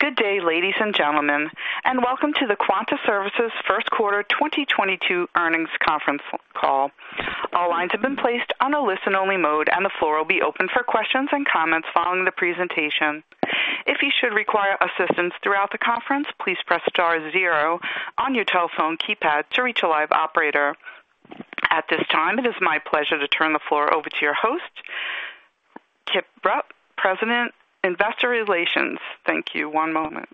Good day, ladies and gentlemen, and welcome to the Quanta Services first quarter 2022 earnings conference call. All lines have been placed on a listen-only mode, and the floor will be open for questions and comments following the presentation. If you should require assistance throughout the conference, please press star zero on your telephone keypad to reach a live operator. At this time, it is my pleasure to turn the floor over to your host, Kip Rupp, President, Investor Relations. Thank you. One moment.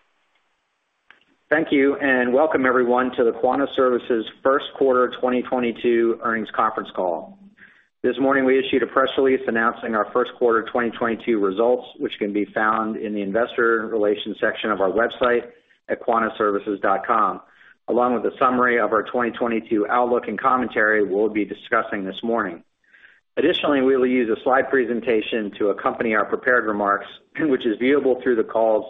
Thank you, and welcome everyone to the Quanta Services first quarter 2022 earnings conference call. This morning, we issued a press release announcing our first quarter 2022 results, which can be found in the investor relations section of our website at quantaservices.com, along with a summary of our 2022 outlook and commentary we'll be discussing this morning. Additionally, we will use a slide presentation to accompany our prepared remarks, which is viewable through the call's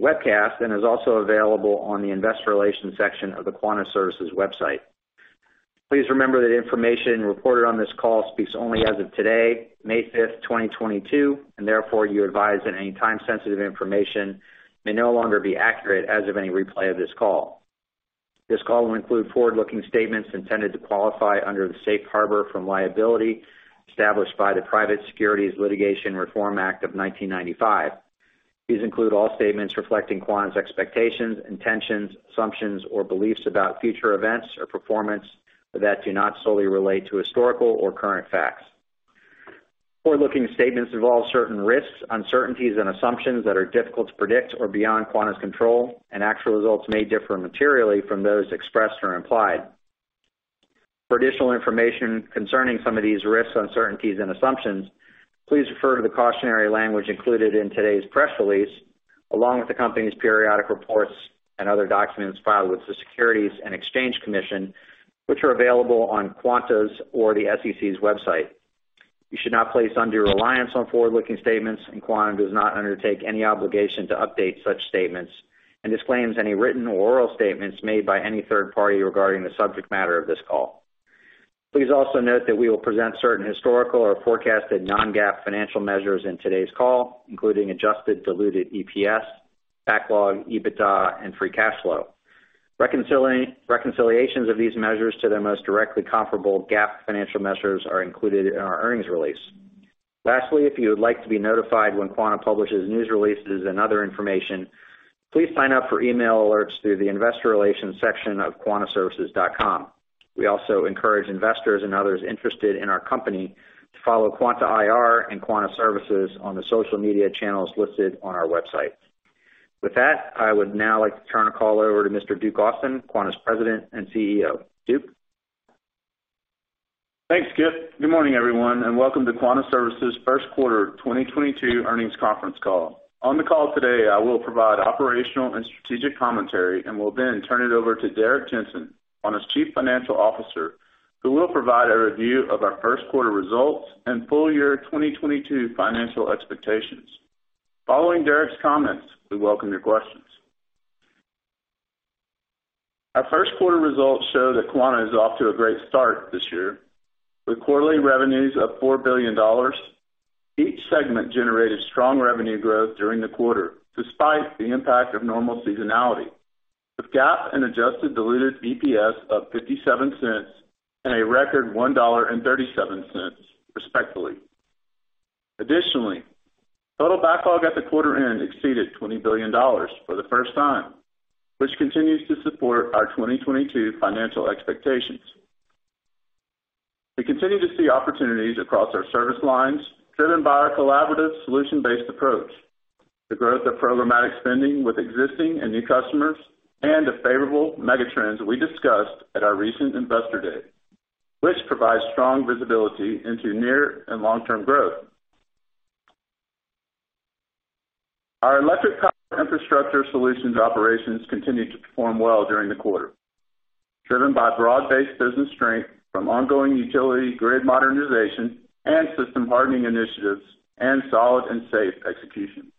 webcast and is also available on the investor relations section of the Quanta Services website. Please remember that information reported on this call speaks only as of today, May 5, 2022, and therefore you're advised that any time-sensitive information may no longer be accurate as of any replay of this call. This call will include forward-looking statements intended to qualify under the safe harbor from liability established by the Private Securities Litigation Reform Act of 1995. These include all statements reflecting Quanta's expectations, intentions, assumptions, or beliefs about future events or performance that do not solely relate to historical or current facts. Forward-looking statements involve certain risks, uncertainties, and assumptions that are difficult to predict or beyond Quanta's control, and actual results may differ materially from those expressed or implied. For additional information concerning some of these risks, uncertainties, and assumptions, please refer to the cautionary language included in today's press release, along with the company's periodic reports and other documents filed with the Securities and Exchange Commission, which are available on Quanta's or the SEC's website. You should not place undue reliance on forward-looking statements, and Quanta does not undertake any obligation to update such statements and disclaims any written or oral statements made by any third party regarding the subject matter of this call. Please also note that we will present certain historical or forecasted non-GAAP financial measures in today's call, including adjusted diluted EPS, backlog, EBITDA, and free cash flow. Reconciliations of these measures to their most directly comparable GAAP financial measures are included in our earnings release. Lastly, if you would like to be notified when Quanta publishes news releases and other information, please sign up for email alerts through the investor relations section of quantaservices.com. We also encourage investors and others interested in our company to follow Quanta IR and Quanta Services on the social media channels listed on our website. With that, I would now like to turn the call over to Mr. Duke Austin, Quanta's President and CEO. Duke? Thanks, Kip. Good morning, everyone, and welcome to Quanta Services' first quarter 2022 earnings conference call. On the call today, I will provide operational and strategic commentary and will then turn it over to Derrick Jensen, Quanta's Chief Financial Officer, who will provide a review of our first quarter results and full year 2022 financial expectations. Following Derrick's comments, we welcome your questions. Our first quarter results show that Quanta is off to a great start this year with quarterly revenues of $4 billion. Each segment generated strong revenue growth during the quarter, despite the impact of normal seasonality, with GAAP and adjusted diluted EPS of $0.57 and a record $1.37, respectively. Additionally, total backlog at the quarter end exceeded $20 billion for the first time, which continues to support our 2022 financial expectations. We continue to see opportunities across our service lines driven by our collaborative solution-based approach, the growth of programmatic spending with existing and new customers, and the favorable megatrends we discussed at our recent Investor Day, which provides strong visibility into near and long-term growth. Our electric power infrastructure solutions operations continued to perform well during the quarter, driven by broad-based business strength from ongoing utility grid modernization and system hardening initiatives and solid and safe execution.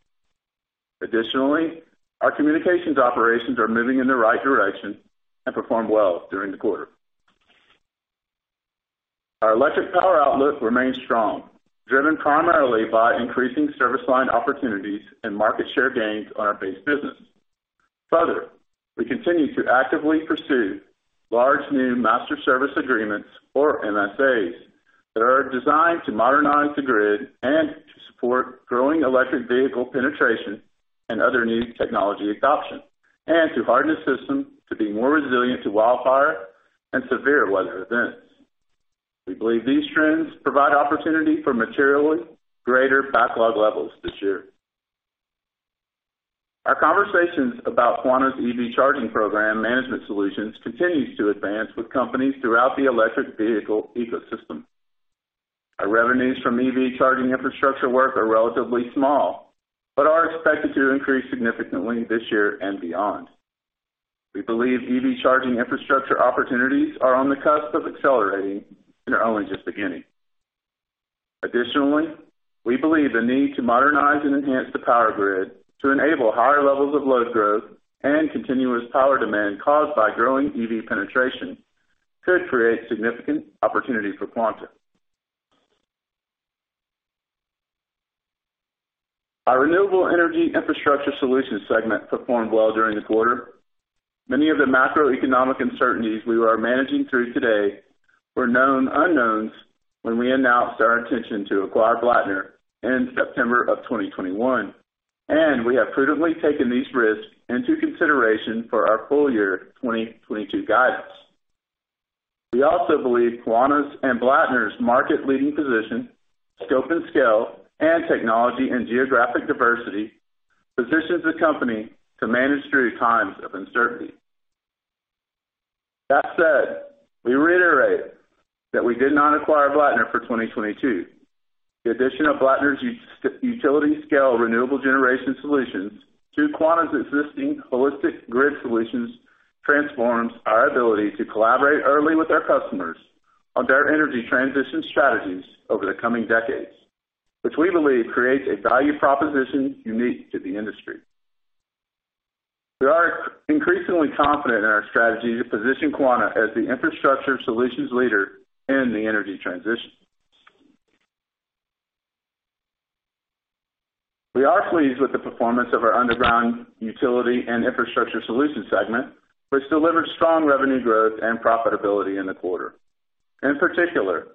Additionally, our communications operations are moving in the right direction and performed well during the quarter. Our electric power outlook remains strong, driven primarily by increasing service line opportunities and market share gains on our base business. Further, we continue to actively pursue large new master service agreements, or MSAs, that are designed to modernize the grid and to support growing electric vehicle penetration and other new technology adoption, and to harden the system to be more resilient to wildfire and severe weather events. We believe these trends provide opportunity for materially greater backlog levels this year. Our conversations about Quanta's EV charging program management solutions continues to advance with companies throughout the electric vehicle ecosystem. Our revenues from EV charging infrastructure work are relatively small, but are expected to increase significantly this year and beyond. We believe EV charging infrastructure opportunities are on the cusp of accelerating and are only just beginning. Additionally, we believe the need to modernize and enhance the power grid to enable higher levels of load growth and continuous power demand caused by growing EV penetration could create significant opportunity for Quanta. Our renewable energy infrastructure solutions segment performed well during the quarter. Many of the macroeconomic uncertainties we are managing through today were known unknowns when we announced our intention to acquire Blattner in September of 2021, and we have prudently taken these risks into consideration for our full year 2022 guidance. We also believe Quanta's and Blattner's market-leading position, scope and scale, and technology and geographic diversity positions the company to manage through times of uncertainty. That said, we reiterate that we did not acquire Blattner for 2022. The addition of Blattner's utility-scale renewable generation solutions through Quanta's existing holistic grid solutions transforms our ability to collaborate early with our customers on their energy transition strategies over the coming decades, which we believe creates a value proposition unique to the industry. We are increasingly confident in our strategy to position Quanta as the infrastructure solutions leader in the energy transition. We are pleased with the performance of our underground utility and infrastructure solutions segment, which delivered strong revenue growth and profitability in the quarter. In particular,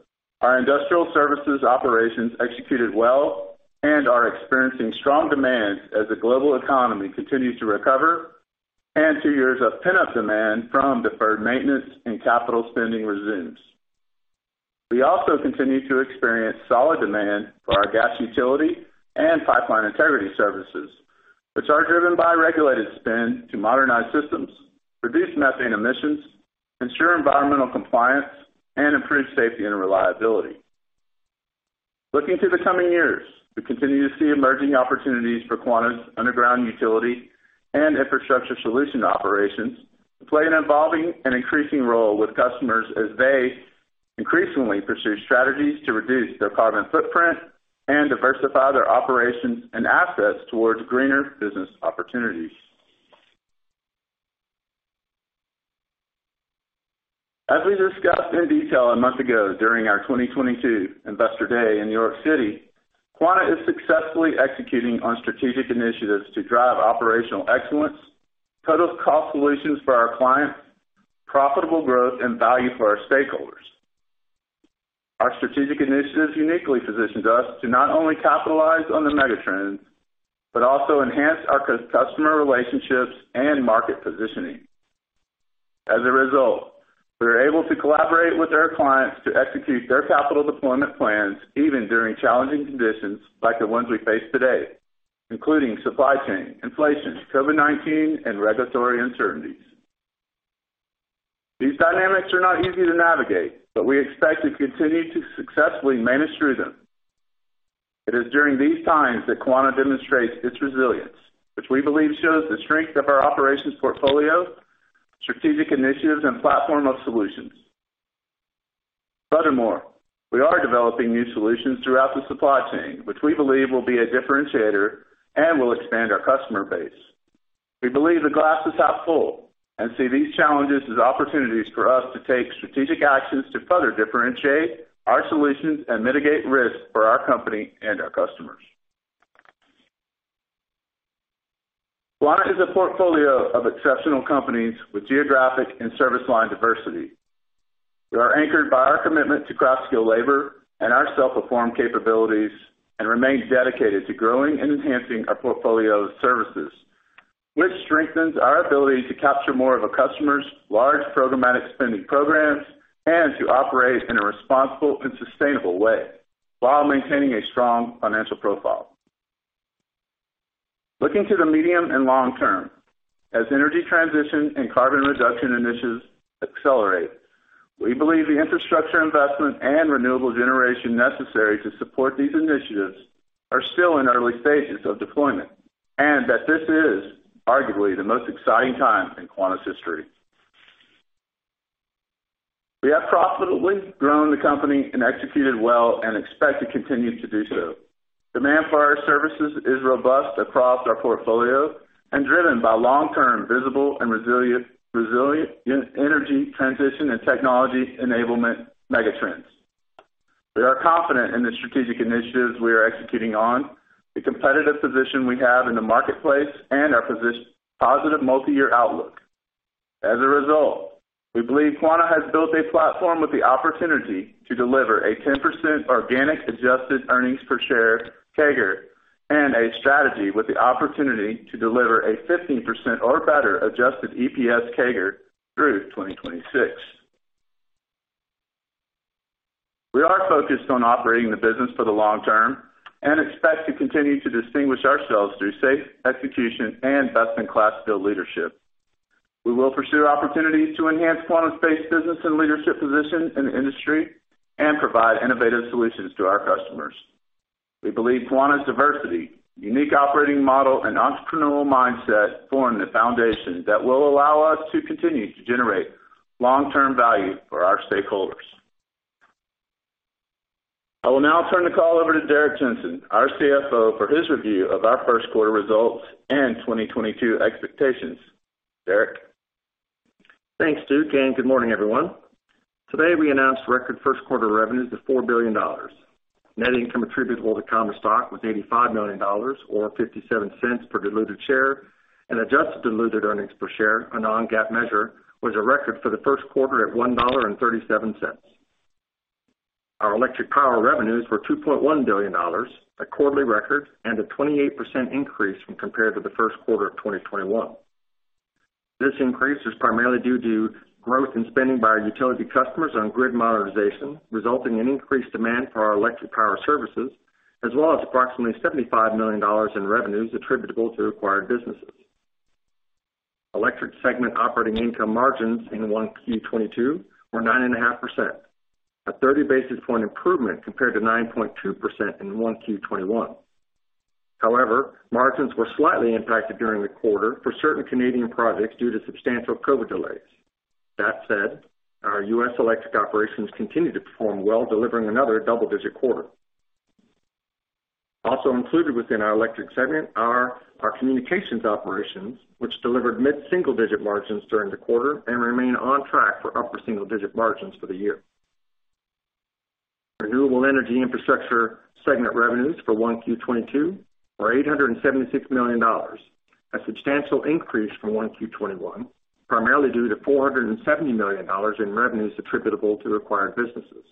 our industrial services operations executed well and are experiencing strong demand as the global economy continues to recover and two years of pent-up demand from deferred maintenance and capital spending resumes. We also continue to experience solid demand for our gas utility and pipeline integrity services, which are driven by regulated spend to modernize systems, reduce methane emissions, ensure environmental compliance, and improve safety and reliability. Looking to the coming years, we continue to see emerging opportunities for Quanta's underground utility and infrastructure solution operations to play an evolving and increasing role with customers as they increasingly pursue strategies to reduce their carbon footprint and diversify their operations and assets towards greener business opportunities. As we discussed in detail a month ago during our 2022 Investor Day in New York City, Quanta is successfully executing on strategic initiatives to drive operational excellence, total cost solutions for our clients, profitable growth, and value for our stakeholders. Our strategic initiatives uniquely positions us to not only capitalize on the megatrends, but also enhance our customer relationships and market positioning. As a result, we are able to collaborate with our clients to execute their capital deployment plans, even during challenging conditions like the ones we face today, including supply chain, inflation, COVID-19, and regulatory uncertainties. These dynamics are not easy to navigate, but we expect to continue to successfully manage through them. It is during these times that Quanta demonstrates its resilience, which we believe shows the strength of our operations portfolio, strategic initiatives, and platform of solutions. Furthermore, we are developing new solutions throughout the supply chain, which we believe will be a differentiator and will expand our customer base. We believe the glass is half full and see these challenges as opportunities for us to take strategic actions to further differentiate our solutions and mitigate risk for our company and our customers. Quanta is a portfolio of exceptional companies with geographic and service line diversity. We are anchored by our commitment to craft-skilled labor and our self-performed capabilities, and remain dedicated to growing and enhancing our portfolio of services, which strengthens our ability to capture more of a customer's large programmatic spending programs and to operate in a responsible and sustainable way while maintaining a strong financial profile. Looking to the medium and long term, as energy transition and carbon reduction initiatives accelerate, we believe the infrastructure investment and renewable generation necessary to support these initiatives are still in early stages of deployment, and that this is arguably the most exciting time in Quanta's history. We have profitably grown the company and executed well and expect to continue to do so. Demand for our services is robust across our portfolio and driven by long-term visible and resilient energy transition and technology enablement megatrends. We are confident in the strategic initiatives we are executing on, the competitive position we have in the marketplace, and our positive multi-year outlook. As a result, we believe Quanta has built a platform with the opportunity to deliver a 10% organic adjusted earnings per share CAGR and a strategy with the opportunity to deliver a 15% or better adjusted EPS CAGR through 2026. We are focused on operating the business for the long term and expect to continue to distinguish ourselves through safe execution and best-in-class field leadership. We will pursue opportunities to enhance Quanta's scale, business, and leadership position in the industry and provide innovative solutions to our customers. We believe Quanta's diversity, unique operating model, and entrepreneurial mindset form the foundation that will allow us to continue to generate long-term value for our stakeholders. I will now turn the call over to Derrick Jensen, our CFO, for his review of our first quarter results and 2022 expectations. Derek? Thanks, Duke, and good morning, everyone. Today, we announced record first quarter revenues of $4 billion. Net income attributable to common stock was $85 million, or $0.57 per diluted share, and adjusted diluted earnings per share, a non-GAAP measure, was a record for the first quarter at $1.37. Our electric power revenues were $2.1 billion, a quarterly record, and a 28% increase when compared to the first quarter of 2021. This increase is primarily due to growth in spending by our utility customers on grid modernization, resulting in increased demand for our electric power services, as well as approximately $75 million in revenues attributable to acquired businesses. Electric segment operating income margins in 1Q22 were 9.5%, a 30 basis point improvement compared to 9.2% in 1Q21. However, margins were slightly impacted during the quarter for certain Canadian projects due to substantial COVID delays. That said, our U.S. electric operations continue to perform well, delivering another double-digit quarter. Also included within our electric segment are our communications operations, which delivered mid-single-digit margins during the quarter and remain on track for upper single-digit margins for the year. Renewable energy infrastructure segment revenues for 1Q22 were $876 million, a substantial increase from 1Q21, primarily due to $470 million in revenues attributable to acquired businesses.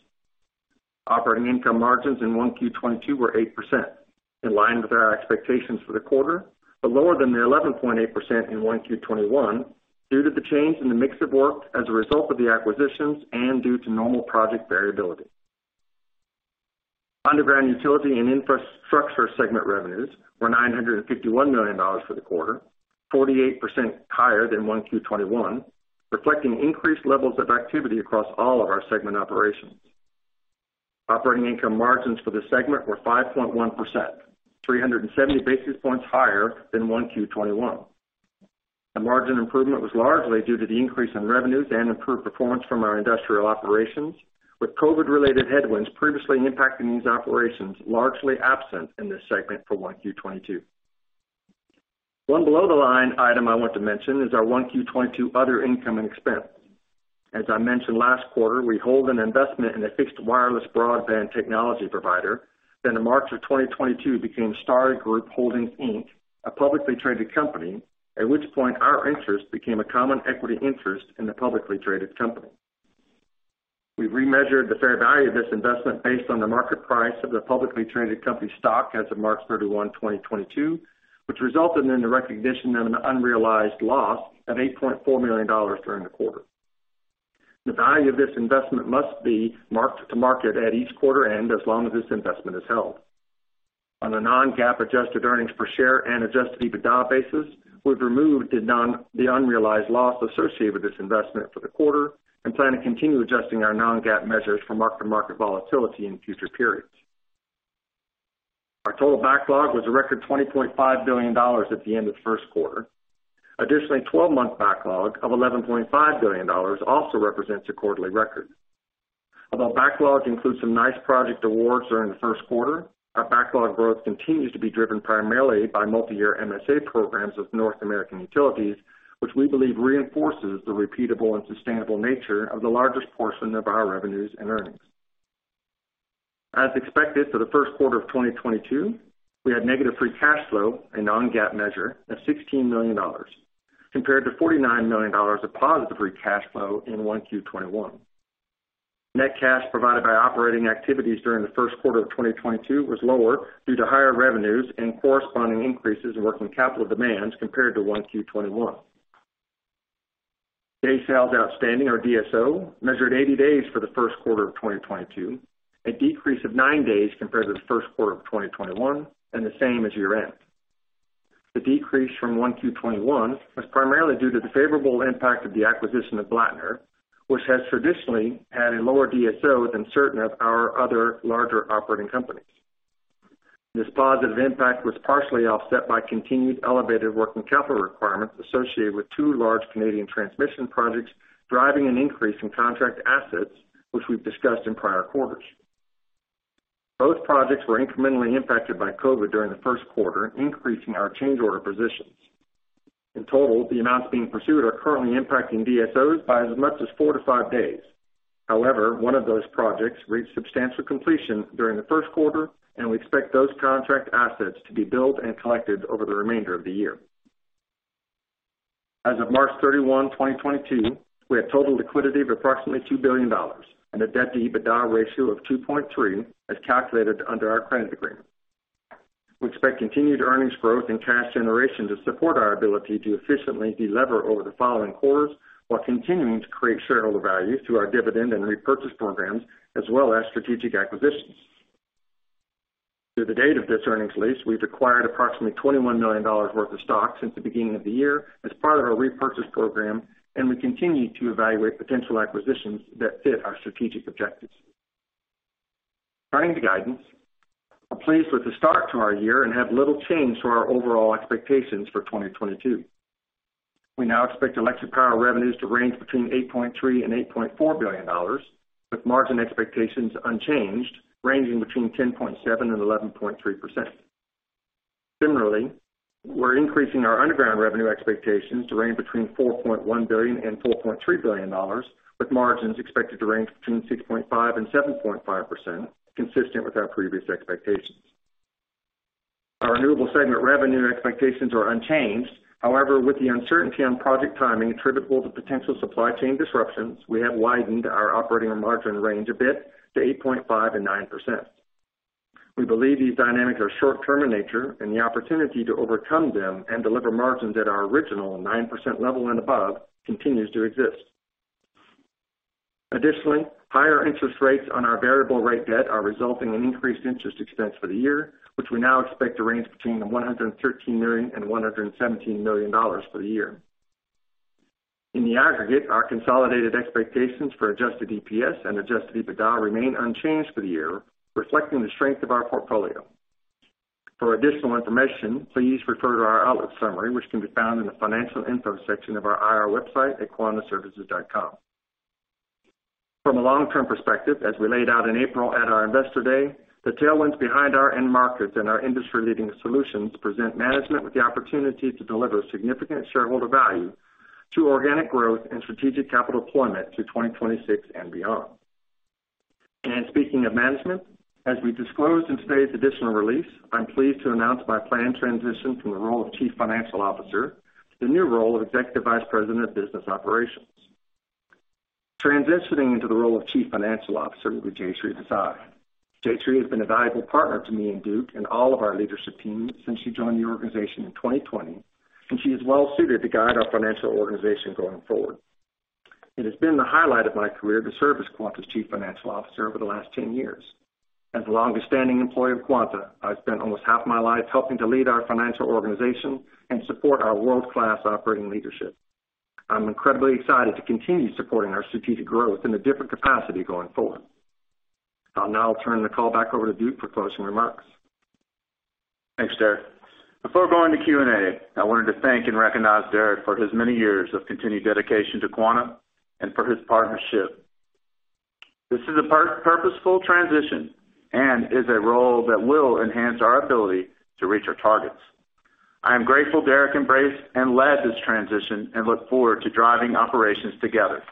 Operating income margins in 1Q22 were 8%, in line with our expectations for the quarter, but lower than the 11.8% in 1Q21 due to the change in the mix of work as a result of the acquisitions and due to normal project variability. Underground utility and infrastructure segment revenues were $951 million for the quarter, 48% higher than 1Q21, reflecting increased levels of activity across all of our segment operations. Operating income margins for the segment were 5.1%, 370 basis points higher than 1Q21. The margin improvement was largely due to the increase in revenues and improved performance from our industrial operations, with COVID-related headwinds previously impacting these operations largely absent in this segment for 1Q22. One below-the-line item I want to mention is our 1Q22 other income and expense. As I mentioned last quarter, we hold an investment in a fixed wireless broadband technology provider that in March 2022 became Starry Group Holdings, Inc., a publicly traded company, at which point our interest became a common equity interest in the publicly traded company. We remeasured the fair value of this investment based on the market price of the publicly traded company's stock as of March 31, 2022, which resulted in the recognition of an unrealized loss of $8.4 million during the quarter. The value of this investment must be marked to market at each quarter end as long as this investment is held. On a non-GAAP adjusted earnings per share and adjusted EBITDA basis, we've removed the unrealized loss associated with this investment for the quarter and plan to continue adjusting our non-GAAP measures for mark-to-market volatility in future periods. Our total backlog was a record $20.5 billion at the end of the first quarter. Additionally, 12-month backlog of $11.5 billion also represents a quarterly record. Although backlog includes some nice project awards during the first quarter, our backlog growth continues to be driven primarily by multiyear MSA programs with North American utilities, which we believe reinforces the repeatable and sustainable nature of the largest portion of our revenues and earnings. As expected for the first quarter of 2022, we had negative free cash flow, a non-GAAP measure, of $16 million, compared to $49 million of positive free cash flow in 1Q21. Net cash provided by operating activities during the first quarter of 2022 was lower due to higher revenues and corresponding increases in working capital demands compared to 1Q21. Day sales outstanding, or DSO, measured 80 days for the first quarter of 2022, a decrease of nine days compared to the first quarter of 2021 and the same as year-end. The decrease from 1Q21 was primarily due to the favorable impact of the acquisition of Blattner, which has traditionally had a lower DSO than certain of our other larger operating companies. This positive impact was partially offset by continued elevated working capital requirements associated with two large Canadian transmission projects, driving an increase in contract assets, which we've discussed in prior quarters. Both projects were incrementally impacted by COVID during the first quarter, increasing our change order positions. In total, the amounts being pursued are currently impacting DSOs by as much as four-five days. However, one of those projects reached substantial completion during the first quarter, and we expect those contract assets to be billed and collected over the remainder of the year. As of March 31, 2022, we had total liquidity of approximately $2 billion and a debt-to-EBITDA ratio of 2.3, as calculated under our credit agreement. We expect continued earnings growth and cash generation to support our ability to efficiently delever over the following quarters while continuing to create shareholder value through our dividend and repurchase programs as well as strategic acquisitions. Through the date of this earnings release, we've acquired approximately $21 million worth of stock since the beginning of the year as part of our repurchase program, and we continue to evaluate potential acquisitions that fit our strategic objectives. Turning to guidance, I'm pleased with the start to our year and have little change to our overall expectations for 2022. We now expect electric power revenues to range between $8.3 billion and $8.4 billion, with margin expectations unchanged, ranging between 10.7% and 11.3%. Similarly, we're increasing our underground revenue expectations to range between $4.1 billion and $4.3 billion, with margins expected to range between 6.5% and 7.5%, consistent with our previous expectations. Our renewable segment revenue expectations are unchanged. However, with the uncertainty on project timing attributable to potential supply chain disruptions, we have widened our operating margin range a bit to 8.5% and 9%. We believe these dynamics are short-term in nature and the opportunity to overcome them and deliver margins at our original 9% level and above continues to exist. Additionally, higher interest rates on our variable rate debt are resulting in increased interest expense for the year, which we now expect to range between $113 million and $117 million for the year. In the aggregate, our consolidated expectations for adjusted EPS and adjusted EBITDA remain unchanged for the year, reflecting the strength of our portfolio. For additional information, please refer to our outlook summary, which can be found in the Financial Info section of our IR website at quantaservices.com. From a long-term perspective, as we laid out in April at our Investor Day, the tailwinds behind our end markets and our industry-leading solutions present management with the opportunity to deliver significant shareholder value through organic growth and strategic capital deployment through 2026 and beyond. Speaking of management, as we disclosed in today's additional release, I'm pleased to announce my planned transition from the role of Chief Financial Officer to the new role of Executive Vice President of Business Operations. Transitioning into the role of Chief Financial Officer will be Jayshree Desai. Jayshree has been a valuable partner to me and Duke and all of our leadership team since she joined the organization in 2020, and she is well suited to guide our financial organization going forward. It has been the highlight of my career to serve as Quanta's Chief Financial Officer over the last 10 years. As the longest-standing employee of Quanta, I've spent almost half my life helping to lead our financial organization and support our world-class operating leadership. I'm incredibly excited to continue supporting our strategic growth in a different capacity going forward. I'll now turn the call back over to Duke for closing remarks. Thanks, Derrick. Before going to Q&A, I wanted to thank and recognize Derrick for his many years of continued dedication to Quanta and for his partnership. This is a purposeful transition and is a role that will enhance our ability to reach our targets. I am grateful Derrick embraced and led this transition and look forward to driving operations together.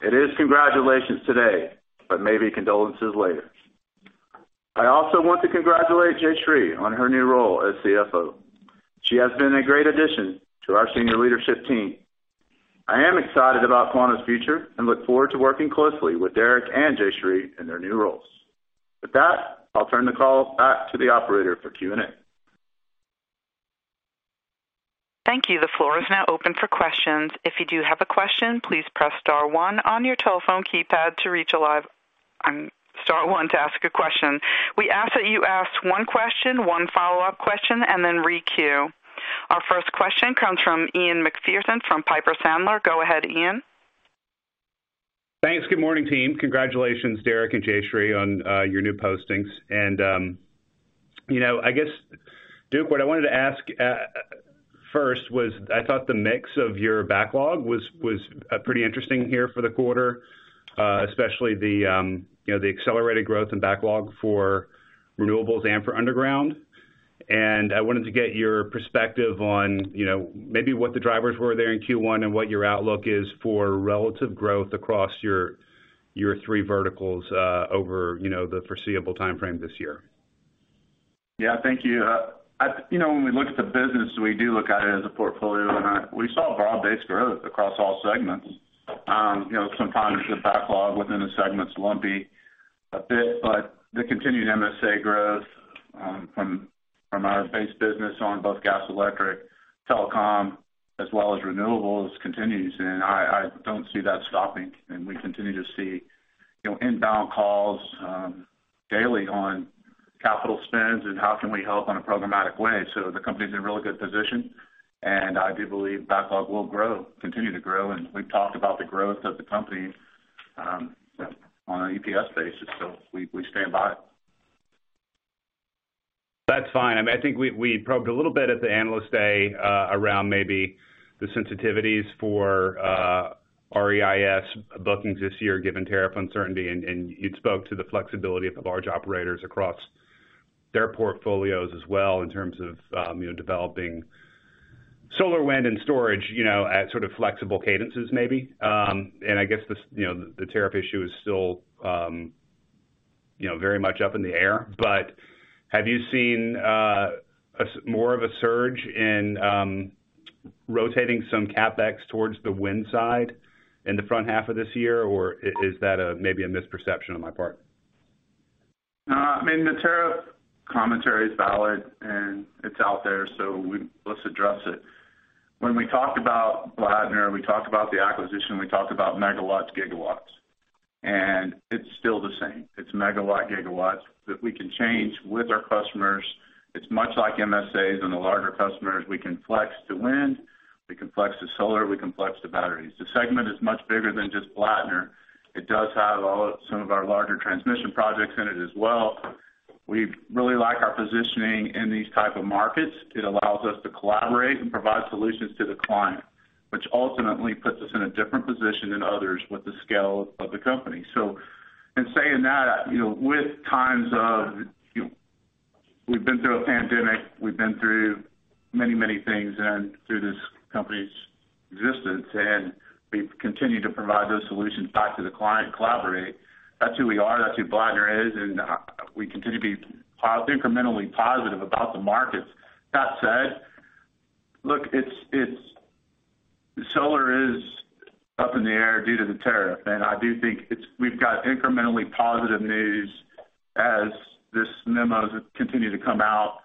It is congratulations today, but maybe condolences later. I also want to congratulate Jayshree on her new role as CFO. She has been a great addition to our senior leadership team. I am excited about Quanta's future and look forward to working closely with Derrick and Jayshree in their new roles. With that, I'll turn the call back to the operator for Q&A. Thank you. The floor is now open for questions. If you do have a question, please press star one on your telephone keypad. Star one to ask a question. We ask that you ask one question, one follow-up question, and then re-queue. Our first question comes from Ian Macpherson from Piper Sandler. Go ahead, Ian. Thanks. Good morning, team. Congratulations, Derek and Jayshree, on your new postings. You know, I guess, Duke, what I wanted to ask first was I thought the mix of your backlog was pretty interesting here for the quarter, especially you know the accelerated growth and backlog for renewables and for underground. I wanted to get your perspective on, you know, maybe what the drivers were there in Q1 and what your outlook is for relative growth across your three verticals over, you know, the foreseeable timeframe this year. Yeah, thank you. You know, when we look at the business, we do look at it as a portfolio, and we saw broad-based growth across all segments. You know, sometimes the backlog within the segments lumpy a bit, but the continued MSA growth from our base business on both gas, electric, telecom, as well as renewables continues. I don't see that stopping. We continue to see, you know, inbound calls daily on capital spends and how can we help in a programmatic way. The company's in a really good position, and I do believe backlog will grow, continue to grow. We've talked about the growth of the company on an EPS basis, so we stand by it. That's fine. I mean, I think we probed a little bit at the Analyst Day around maybe the sensitivities for REIS bookings this year, given tariff uncertainty, and you'd spoke to the flexibility of the large operators across their portfolios as well in terms of you know, developing solar, wind, and storage, you know, at sort of flexible cadences maybe. I guess this you know, the tariff issue is still you know, very much up in the air. Have you seen more of a surge in rotating some CapEx towards the wind side in the front half of this year? Or is that maybe a misperception on my part? I mean, the tariff commentary is valid, and it's out there, so let's address it. When we talked about Blattner, we talked about the acquisition, we talked about megawatts, gigawatts, and it's still the same. It's megawatt, gigawatts that we can change with our customers. It's much like MSAs and the larger customers. We can flex to wind, we can flex to solar, we can flex to batteries. The segment is much bigger than just Blattner. It does have all of some of our larger transmission projects in it as well. We really like our positioning in these type of markets. It allows us to collaborate and provide solutions to the client. Which ultimately puts us in a different position than others with the scale of the company. In saying that, you know, with times of, you know, we've been through a pandemic, we've been through many, many things and through this company's existence, and we've continued to provide those solutions back to the client and collaborate. That's who we are, that's who Blattner is, and we continue to be incrementally positive about the markets. That said, look, it's solar is up in the air due to the tariff, and I do think we've got incrementally positive news as these memos continue to come out.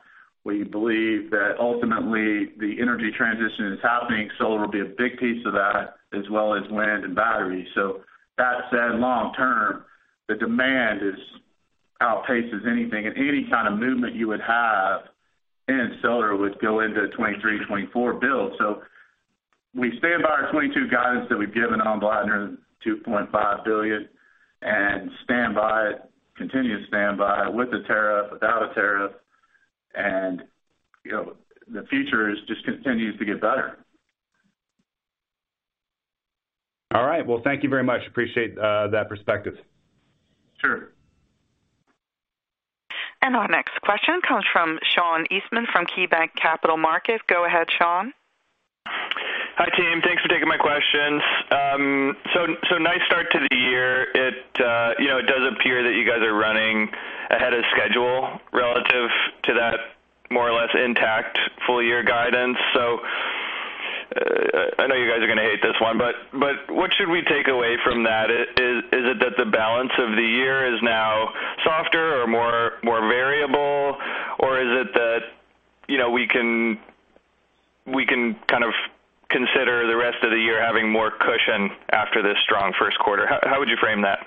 We believe that ultimately the energy transition is happening. Solar will be a big piece of that, as well as wind and battery. Long term, the demand outpaces anything. Any kind of movement you would have in solar would go into 2023, 2024 build. We stand by our 2022 guidance that we've given on Blattner, $2.5 billion, and stand by it, continue to stand by it with the tariff, without a tariff. You know, the future is just continues to get better. All right. Well, thank you very much. Appreciate that perspective. Sure. Our next question comes from Sean Eastman from KeyBanc Capital Markets. Go ahead, Sean. Hi, team. Thanks for taking my questions. Nice start to the year. It, you know, it does appear that you guys are running ahead of schedule relative to that more or less intact full year guidance. I know you guys are gonna hate this one, but what should we take away from that? Is it that the balance of the year is now softer or more variable? Or is it that, you know, we can kind of consider the rest of the year having more cushion after this strong first quarter? How would you frame that?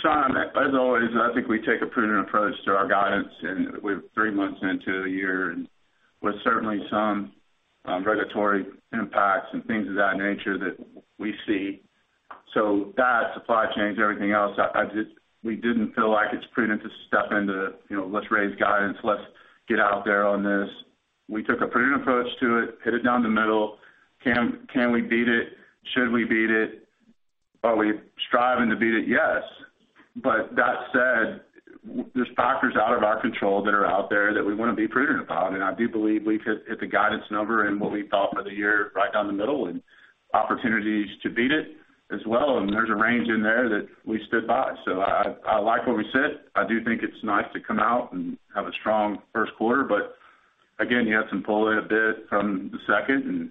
Sean, as always, I think we take a prudent approach to our guidance, and we're three months into a year and with certainly some regulatory impacts and things of that nature that we see. That supply chains, everything else, we didn't feel like it's prudent to step into, you know, let's raise guidance, let's get out there on this. We took a prudent approach to it, hit it down the middle. Can we beat it? Should we beat it? Are we striving to beat it? Yes. That said, there's factors out of our control that are out there that we wanna be prudent about. I do believe we've hit the guidance number and what we thought for the year right down the middle and opportunities to beat it as well. There's a range in there that we stood by. I like where we sit. I do think it's nice to come out and have a strong first quarter, but again, you have some pull in a bit from the second and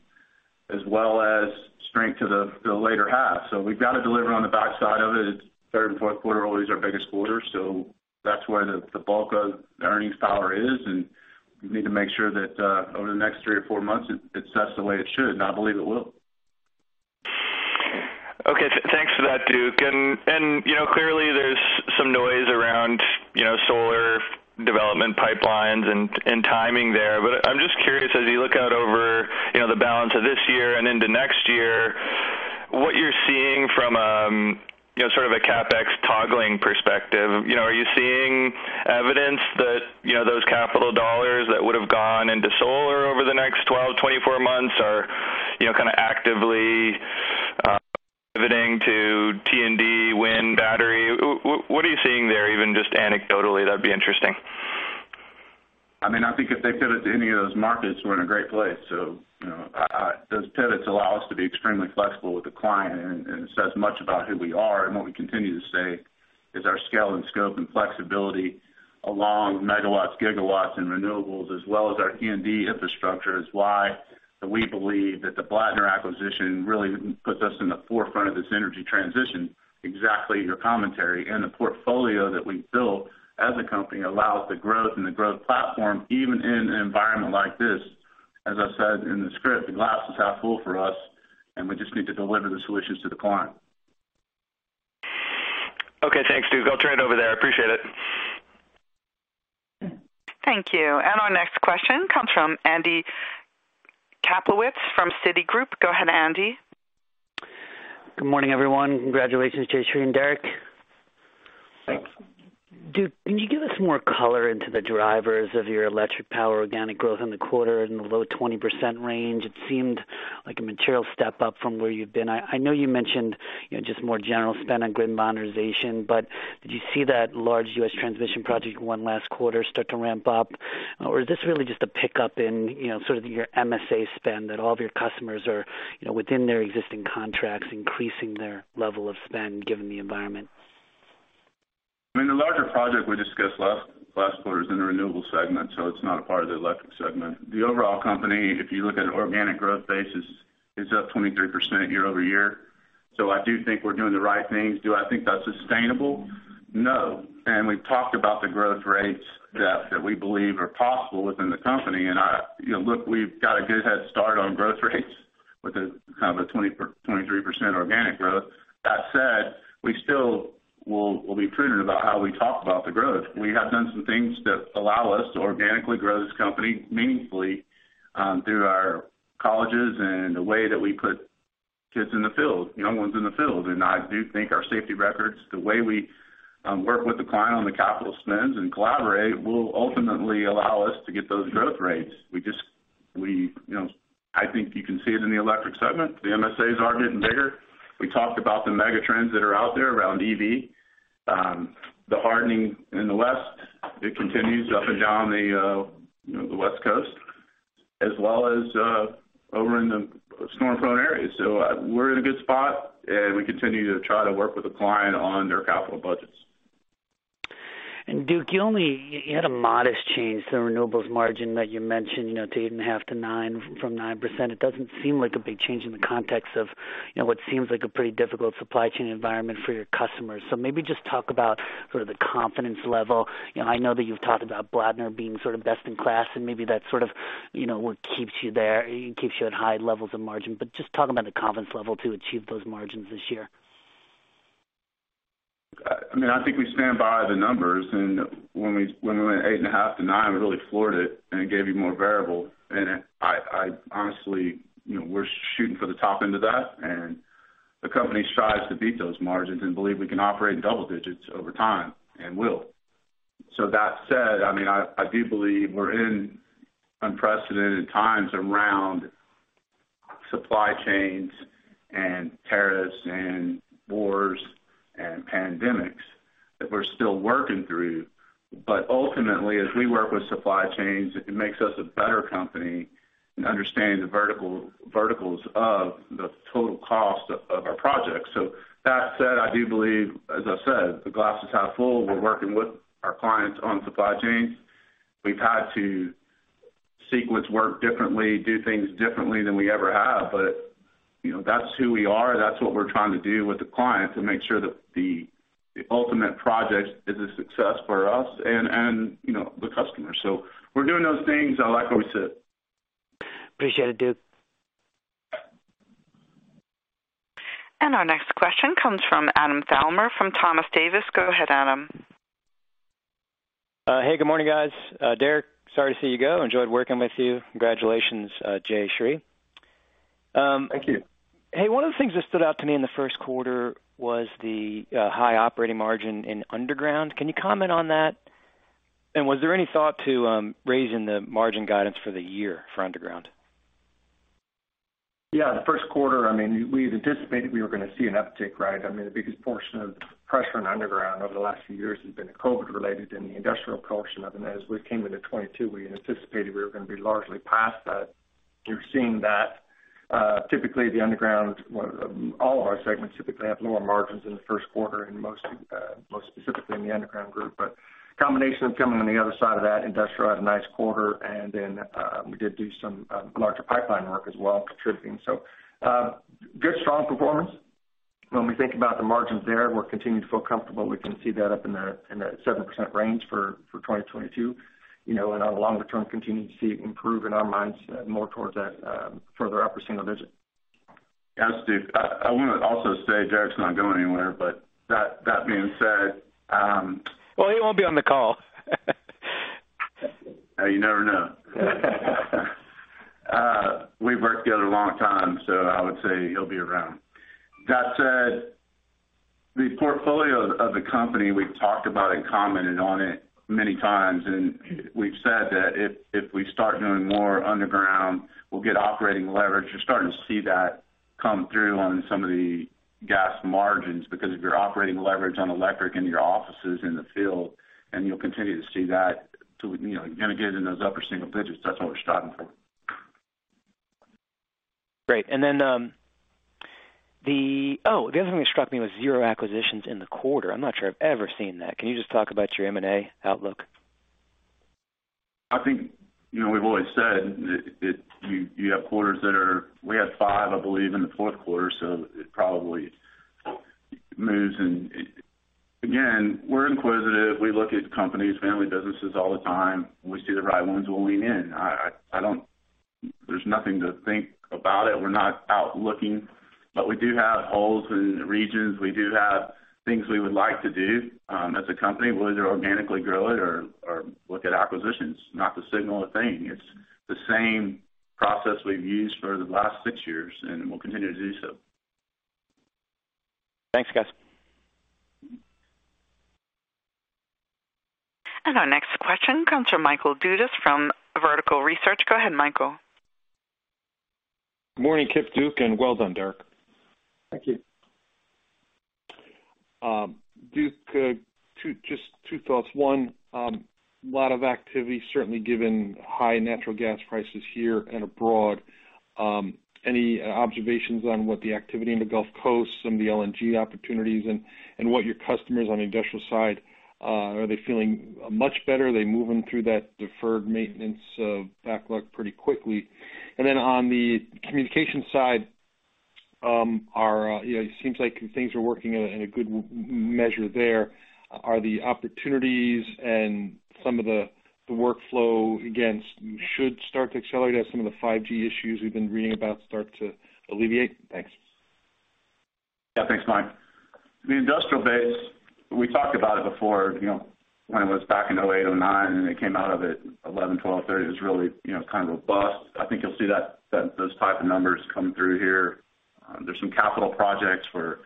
as well as strength to the later half. We've got to deliver on the back side of it. Third and fourth quarters are always our biggest quarters, so that's where the bulk of the earnings power is, and we need to make sure that over the next three or four months, it sets the way it should, and I believe it will. Okay. Thanks for that, Duke. You know, clearly there's some noise around, you know, solar development pipelines and timing there. I'm just curious, as you look out over, you know, the balance of this year and into next year, what you're seeing from, you know, sort of a CapEx toggling perspective. You know, are you seeing evidence that, you know, those capital dollars that would have gone into solar over the next 12, 24 months are, you know, kind of actively pivoting to T&D, wind, battery? What are you seeing there, even just anecdotally, that'd be interesting. I mean, I think if they pivot to any of those markets, we're in a great place. You know, those pivots allow us to be extremely flexible with the client, and it says much about who we are. What we continue to say is our scale and scope and flexibility along megawatts, gigawatts and renewables, as well as our T&D infrastructure, is why we believe that the Blattner acquisition really puts us in the forefront of this energy transition. Exactly your commentary. The portfolio that we've built as a company allows the growth and the growth platform, even in an environment like this. As I said in the script, the glass is half full for us, and we just need to deliver the solutions to the client. Okay, thanks, Duke. I'll turn it over there. I appreciate it. Thank you. Our next question comes from Andy Kaplowitz from Citigroup. Go ahead, Andy. Good morning, everyone. Congratulations, Jayshree, and Derrick. Thanks. Duke, can you give us more color into the drivers of your electric power organic growth in the quarter in the low 20% range? It seemed like a material step-up from where you've been. I know you mentioned, you know, just more general spend on grid modernization, but did you see that large U.S. transmission project you won last quarter start to ramp up? Or is this really just a pickup in, you know, sort of your MSA spend that all of your customers are, you know, within their existing contracts, increasing their level of spend given the environment? I mean, the larger project we discussed last quarter is in the renewables segment, so it's not a part of the electric segment. The overall company, if you look at an organic growth basis, is up 23% year-over-year. I do think we're doing the right things. Do I think that's sustainable? No. We've talked about the growth rates that we believe are possible within the company. You know, look, we've got a good head start on growth rates with a kind of a 23% organic growth. That said, we still will be prudent about how we talk about the growth. We have done some things that allow us to organically grow this company meaningfully, through our colleges and the way that we put kids in the field, young ones in the field. I do think our safety records, the way we work with the client on the capital spends and collaborate will ultimately allow us to get those growth rates. We, you know, I think you can see it in the electric segment. The MSAs are getting bigger. We talked about the mega trends that are out there around EV, the hardening in the West. It continues up and down the, you know, the West Coast as well as over in the storm-prone areas. We're in a good spot, and we continue to try to work with the client on their capital budgets. Duke, you had a modest change to the renewables margin that you mentioned, you know, to 8.5%-9% from 9%. It doesn't seem like a big change in the context of, you know, what seems like a pretty difficult supply chain environment for your customers. Maybe just talk about sort of the confidence level. You know, I know that you've talked about Blattner being sort of best in class, and maybe that's sort of, you know, what keeps you there, keeps you at high levels of margin. Just talk about the confidence level to achieve those margins this year. I mean, I think we stand by the numbers, and when we went 8.5%-9%, we really floored it, and it gave you more variable. I honestly, you know, we're shooting for the top end of that, and the company strives to beat those margins and believe we can operate in double digits over time and will. That said, I mean, I do believe we're in unprecedented times around supply chains and tariffs and wars and pandemics that we're still working through. Ultimately, as we work with supply chains, it makes us a better company in understanding the verticals of the total cost of our projects. That said, I do believe, as I said, the glass is half full. We're working with our clients on supply chains. We've had to sequence work differently, do things differently than we ever have. You know, that's who we are. That's what we're trying to do with the clients and make sure that the ultimate project is a success for us and, you know, the customer. We're doing those things. I like where we sit. Appreciate it, Duke. Our next question comes from Adam Thalhimer from Thompson Davis & Co. Go ahead, Adam. Hey, good morning, guys. Derek, sorry to see you go. Enjoyed working with you. Congratulations, Jay Sri. Thank you. Hey, one of the things that stood out to me in the first quarter was the high operating margin in underground. Can you comment on that? Was there any thought to raising the margin guidance for the year for underground? Yeah, the first quarter, I mean, we'd anticipated we were gonna see an uptick, right? I mean, the biggest portion of pressure in underground over the last few years has been COVID-related and the industrial portion of it. As we came into 2022, we anticipated we were gonna be largely past that. We're seeing that, typically the underground, well, all of our segments typically have lower margins in the first quarter and most specifically in the underground group. But combination of coming on the other side of that, industrial had a nice quarter, and then, we did do some larger pipeline work as well, contributing. So, good strong performance. When we think about the margins there, we're continuing to feel comfortable. We can see that up in the 7% range for 2022, you know, and on the longer term, continue to see it improve in our minds, more towards that, further upper single digit. Yeah, I wanna also say Derrick's not going anywhere. That being said, Well, he won't be on the call. You never know. We've worked together a long time, so I would say he'll be around. That said, the portfolio of the company, we've talked about and commented on it many times, and we've said that if we start doing more underground, we'll get operating leverage. You're starting to see that come through on some of the gas margins because of your operating leverage on electric in your offices in the field, and you'll continue to see that too, you know, gonna get in those upper single digits. That's what we're striving for. Great. The other thing that struck me was zero acquisitions in the quarter. I'm not sure I've ever seen that. Can you just talk about your M&A outlook? I think, you know, we've always said that you have quarters that are. We had five, I believe, in the fourth quarter, so it probably moves. Again, we're inquisitive. We look at companies, family businesses all the time. When we see the right ones, we'll lean in. I don't. There's nothing to think about it. We're not out looking. We do have holes in regions. We do have things we would like to do as a company, whether organically grow it or look at acquisitions. Not to signal a thing. It's the same process we've used for the last six years, and we'll continue to do so. Thanks, guys. Our next question comes from Michael Dudas from Vertical Research Partners. Go ahead, Michael. Morning, Kip, Duke, and well done, Derrick. Thank you. Duke, just two thoughts. One, a lot of activity, certainly given high natural gas prices here and abroad. Any observations on what the activity in the Gulf Coast, some of the LNG opportunities and what your customers on the industrial side, are they feeling much better? Are they moving through that deferred maintenance backlog pretty quickly? On the communication side, you know, it seems like things are working in a good measure there. Are the opportunities and some of the workflow, again, should start to accelerate as some of the 5G issues we've been reading about start to alleviate? Thanks. Yeah. Thanks, Mike. The industrial base, we talked about it before, you know, when it was back in 2008, 2009, and it came out of it 2011, 2012, 2013. It was really, you know, kind of robust. I think you'll see that those type of numbers come through here. There's some capital projects where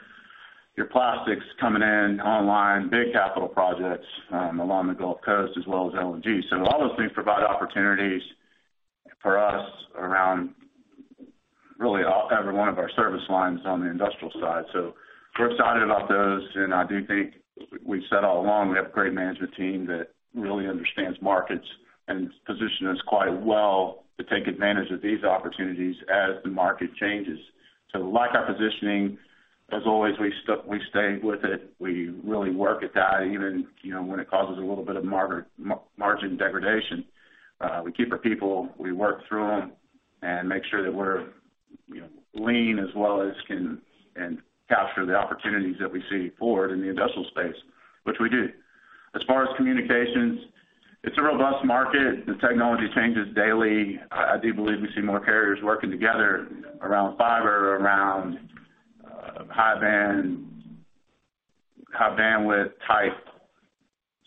your plastics coming in online, big capital projects, along the Gulf Coast as well as LNG. All those things provide opportunities for us around really all every one of our service lines on the industrial side. We're excited about those. I do think we've said all along, we have a great management team that really understands markets and position us quite well to take advantage of these opportunities as the market changes. We like our positioning. As always, we stay with it. We really work at that even, you know, when it causes a little bit of margin degradation. We keep our people, we work through them and make sure that we're, you know, lean as well as can and capture the opportunities that we see forward in the industrial space, which we do. As far as communications, it's a robust market. The technology changes daily. I do believe we see more carriers working together around fiber, around high band, high bandwidth type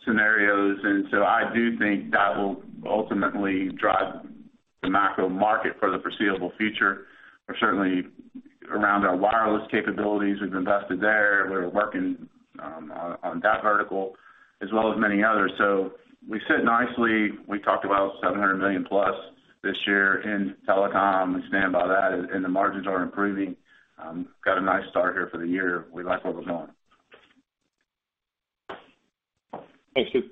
scenarios. I do think that will ultimately drive the macro market for the foreseeable future, or certainly around our wireless capabilities we've invested there. We're working on that vertical as well as many others. We sit nicely. We talked about $700 million-plus this year in telecom. We stand by that, and the margins are improving. Got a nice start here for the year. We like where we're going. Thanks, Duke.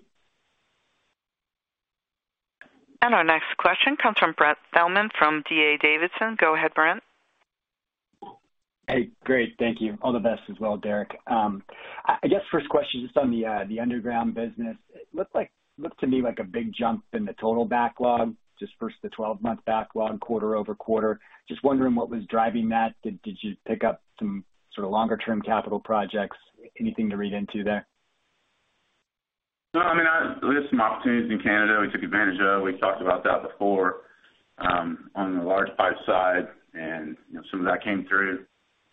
Our next question comes from Brent Thielman from D.A. Davidson. Go ahead, Brent. Hey. Great. Thank you. All the best as well, Derek. I guess first question, just on the underground business. Looked to me like a big jump in the total backlog, just first the 12-month backlog, quarter-over-quarter. Just wondering what was driving that. Did you pick up some sort of longer term capital projects? Anything to read into there? No, I mean, we had some opportunities in Canada we took advantage of. We talked about that before, on the large pipe side and, you know, some of that came through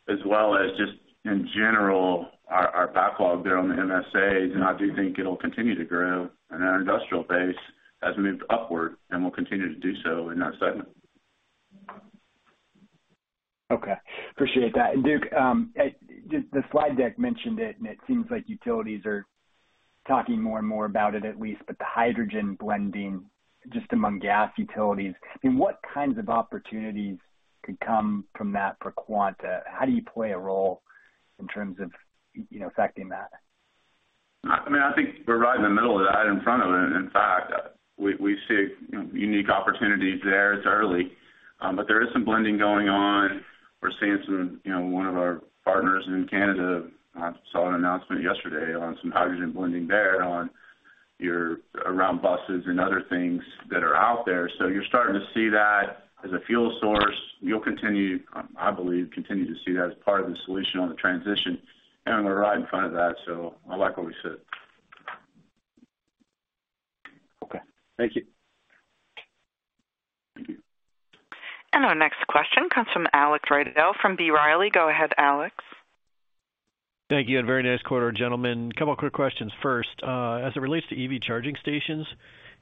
as well as just in general our backlog there on the MSAs. I do think it'll continue to grow in our industrial base as we move upward and will continue to do so in that segment. Okay. Appreciate that. Duke, just the slide deck mentioned it, and it seems like utilities are talking more and more about it at least, but the hydrogen blending just among gas utilities. I mean, what kinds of opportunities could come from that for Quanta? How do you play a role in terms of, you know, affecting that? I mean, I think we're right in the middle of that, in front of it. In fact, we see unique opportunities there. It's early, but there is some blending going on. We're seeing some, you know, one of our partners in Canada. I saw an announcement yesterday on some hydrogen blending there around buses and other things that are out there. You're starting to see that as a fuel source. You'll continue, I believe, to see that as part of the solution on the transition, and we're right in front of that, so I like where we sit. Okay. Thank you. Thank you. Our next question comes from Alex Rygiel from B. Riley. Go ahead, Alex. Thank you. Very nice quarter, gentlemen. A couple of quick questions. First, as it relates to EV charging stations,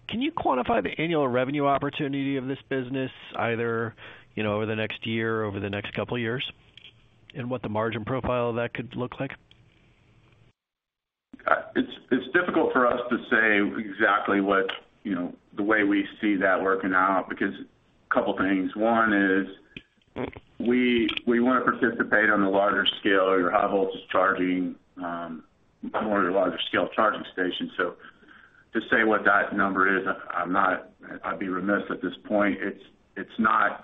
can you quantify the annual revenue opportunity of this business either, you know, over the next year or over the next couple of years, and what the margin profile of that could look like? It's difficult for us to say exactly what, you know, the way we see that working out because a couple things. One is we want to participate on the larger scale or your high voltage charging, more of your larger scale charging stations. To say what that number is, I'm not. I'd be remiss at this point. It's not.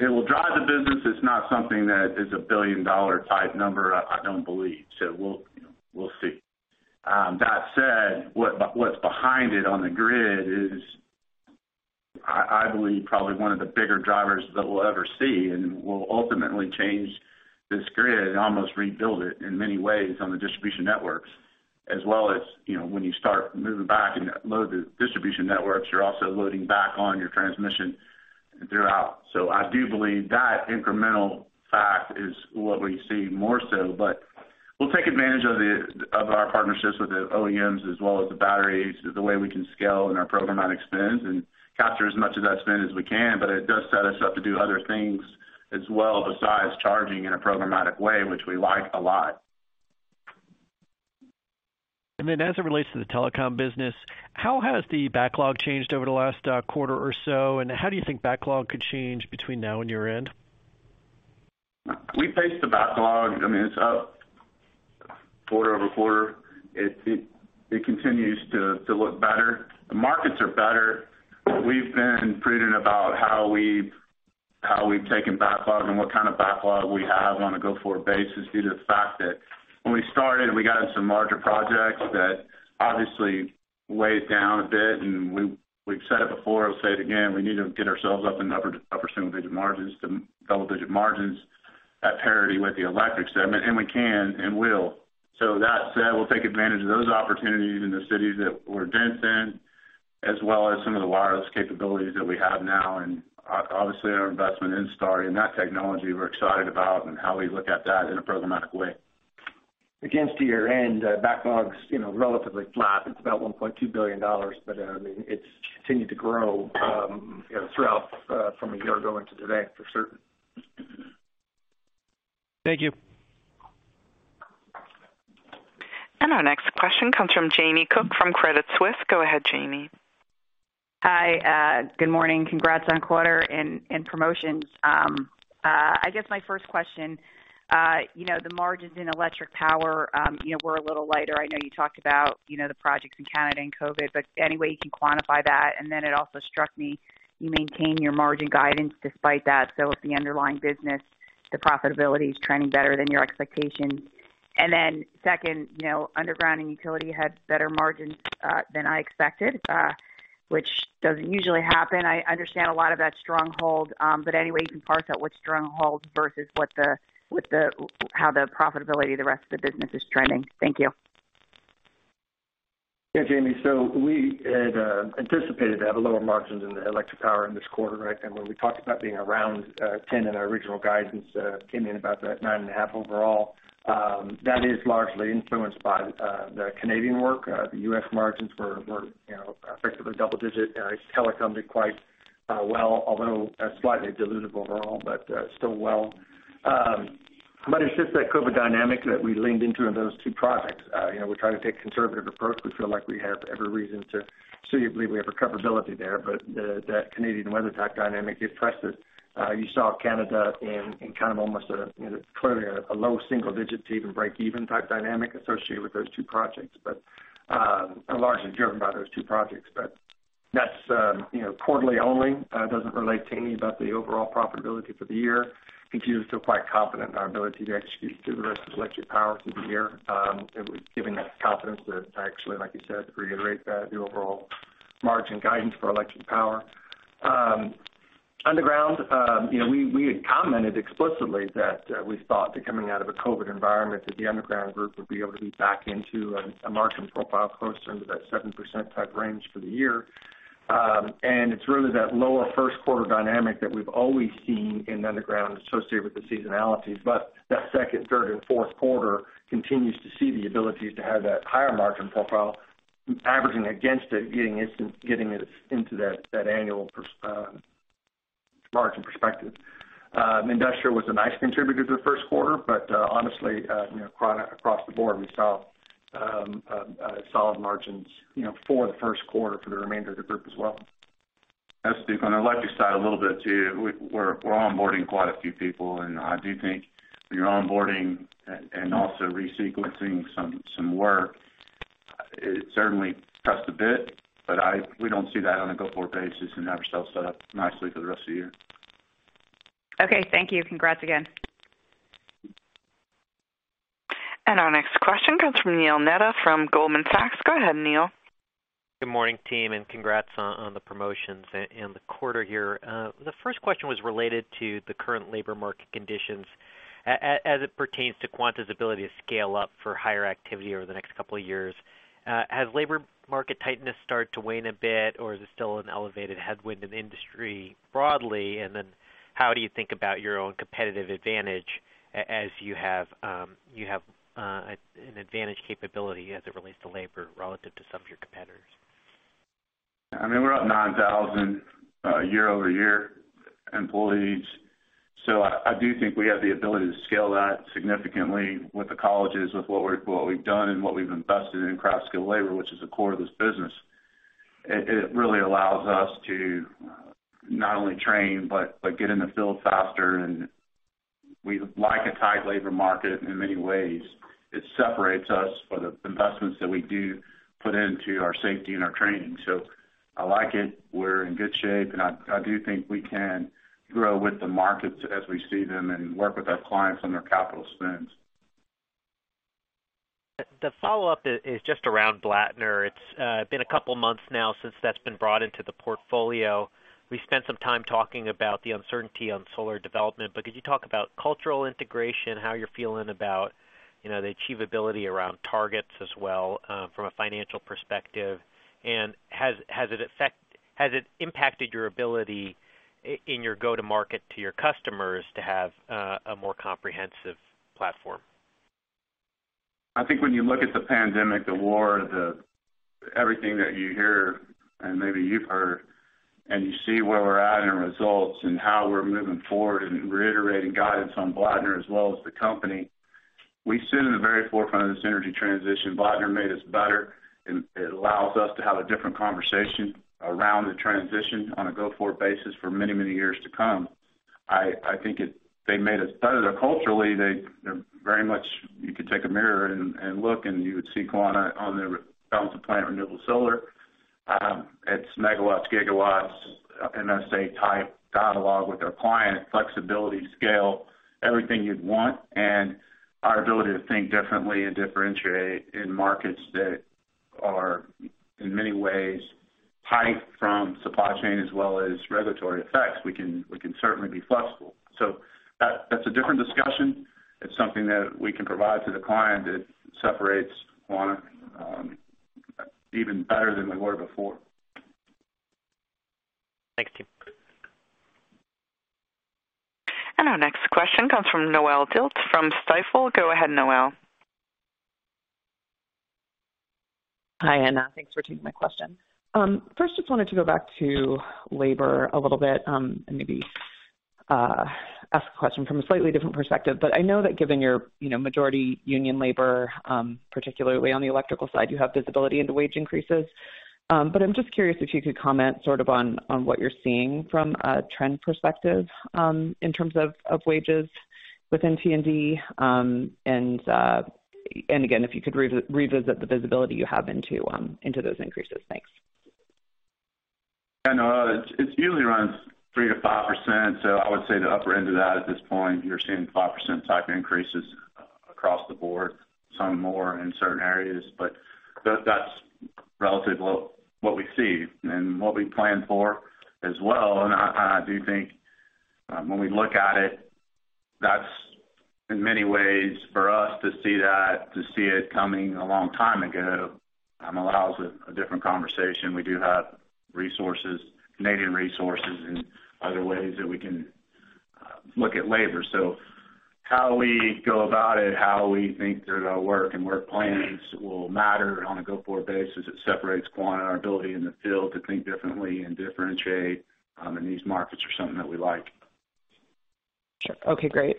It will drive the business. It's not something that is a billion dollar type number, I don't believe. We'll, you know, we'll see. That said, what's behind it on the grid is, I believe probably one of the bigger drivers that we'll ever see and will ultimately change this grid and almost rebuild it in many ways on the distribution networks. As well as, you know, when you start moving back and load the distribution networks, you're also loading back on your transmission throughput. I do believe that incremental fact is what we see more so. We'll take advantage of the, of our partnerships with the OEMs as well as the batteries, the way we can scale in our programmatic spend and capture as much of that spend as we can. It does set us up to do other things as well besides charging in a programmatic way, which we like a lot. As it relates to the telecom business, how has the backlog changed over the last quarter or so, and how do you think backlog could change between now and year-end? We paced the backlog. I mean, it's up quarter-over-quarter. It continues to look better. The markets are better. We've been prudent about how we've taken backlog and what kind of backlog we have on a go-forward basis due to the fact that when we started, we got into some larger projects that obviously weighed down a bit. We've said it before. I'll say it again. We need to get ourselves up in upper single-digit margins to double-digit margins at parity with the electric segment, and we can and will. That said, we'll take advantage of those opportunities in the cities that we're dense in. As well as some of the wireless capabilities that we have now, and obviously, our investment in Starry and that technology we're excited about and how we look at that in a programmatic way. Against year-end, backlogs, you know, relatively flat. It's about $1.2 billion, but, I mean, it's continued to grow, you know, throughout, from a year ago into today, for certain. Thank you. Our next question comes from Jamie Cook from Credit Suisse. Go ahead, Jamie. Hi, good morning. Congrats on quarter and promotions. I guess my first question, you know, the margins in electric power, you know, were a little lighter. I know you talked about, you know, the projects in Canada and COVID, but any way you can quantify that? Then it also struck me, you maintained your margin guidance despite that. If the underlying business, the profitability is trending better than your expectations. Then second, you know, underground and utility had better margins than I expected, which doesn't usually happen. I understand a lot of that Stronghold, but any way you can parse out what's Stronghold versus how the profitability of the rest of the business is trending. Thank you. Yeah, Jamie. We had anticipated to have lower margins in the electric power in this quarter. Right? When we talked about being around 10% in our original guidance, came in about that 9.5% overall. That is largely influenced by the Canadian work. The U.S. margins were, you know, effectively double-digit. Telecoms did quite well, although slightly dilutive overall, but still well. It's just that COVID dynamic that we leaned into in those two projects. You know, we try to take a conservative approach. We feel like we have every reason to suitably we have recoverability there. That Canadian weather type dynamic gets pressed. You saw Canada in kind of almost a, you know, clearly a low single-digit to even break-even type dynamic associated with those two projects. Largely driven by those two projects. That's, you know, quarterly only, doesn't relate to anything about the overall profitability for the year. Continues to feel quite confident in our ability to execute through the rest of electric power through the year, giving us confidence to actually, like you said, to reiterate the overall margin guidance for electric power. Underground, you know, we had commented explicitly that we thought that coming out of a COVID environment, that the underground group would be able to be back into a margin profile closer to that 7% type range for the year. It's really that lower first quarter dynamic that we've always seen in underground associated with the seasonalities. That second, third and fourth quarter continues to see the ability to have that higher margin profile averaging against it, getting it into that annual margin perspective. Industrial was a nice contributor to the first quarter, but honestly, you know, across the board, we saw solid margins, you know, for the first quarter for the remainder of the group as well. As Steve, on the electric side a little bit too, we're onboarding quite a few people, and I do think when you're onboarding and also resequencing some work, it certainly pressed a bit. We don't see that on a go-forward basis and have ourselves set up nicely for the rest of the year. Okay, thank you. Congrats again. Our next question comes from Neil Mehta from Goldman Sachs. Go ahead, Neil. Good morning, team, and congrats on the promotions and the quarter here. The first question was related to the current labor market conditions as it pertains to Quanta's ability to scale up for higher activity over the next couple of years. Has labor market tightness started to wane a bit, or is it still an elevated headwind in the industry broadly? Then how do you think about your own competitive advantage as you have an advantage capability as it relates to labor relative to some of your competitors? I mean, we're up 9,000 year-over-year employees. I do think we have the ability to scale that significantly with the colleges, with what we've done and what we've invested in craft skill labor, which is the core of this business. It really allows us to not only train but get in the field faster. We like a tight labor market in many ways. It separates us from the investments that we do put into our safety and our training. I like it. We're in good shape, and I do think we can grow with the markets as we see them and work with our clients on their capital spends. The follow-up is just around Blattner. It's been a couple of months now since that's been brought into the portfolio. We spent some time talking about the uncertainty on solar development, but could you talk about cultural integration, how you're feeling about, you know, the achievability around targets as well, from a financial perspective? Has it impacted your ability in your go-to-market to your customers to have a more comprehensive platform? I think when you look at the pandemic, the war, everything that you hear and maybe you've heard and you see where we're at in results and how we're moving forward and reiterating guidance on Blattner as well as the company, we sit in the very forefront of this energy transition. Blattner made us better, and it allows us to have a different conversation around the transition on a go-forward basis for many, many years to come. I think they made us better. Culturally, they're very much, you could take a mirror and look, and you would see Quanta on the balance of plant renewable solar. It's megawatts, gigawatts, MSA-type dialogue with our client, flexibility, scale, everything you'd want. Our ability to think differently and differentiate in markets that are, in many ways, tight from supply chain as well as regulatory effects. We can certainly be flexible. That's a different discussion. It's something that we can provide to the client that separates Quanta even better than we were before. Thanks, team. Our next question comes from Noelle Dilts from Stifel. Go ahead, Noelle. Hi. Thanks for taking my question. First, just wanted to go back to labor a little bit, and maybe ask a question from a slightly different perspective. I know that given your, you know, majority union labor, particularly on the electrical side, you have visibility into wage increases. I'm just curious if you could comment sort of on what you're seeing from a trend perspective, in terms of wages within T&D. Again, if you could revisit the visibility you have into those increases. Thanks. Yeah, Noelle, it usually runs 3%-5%, so I would say the upper end of that at this point, you're seeing 5% type increases across the board, some more in certain areas. That's relatively what we see and what we plan for as well. I do think, when we look at it, that's in many ways for us to see that, to see it coming a long time ago, allows a different conversation. We do have resources, Canadian resources and other ways that we can look at labor. How we go about it, how we think through our work and work plans will matter on a go-forward basis. It separates Quanta, our ability in the field to think differently and differentiate, in these markets are something that we like. Sure. Okay, great.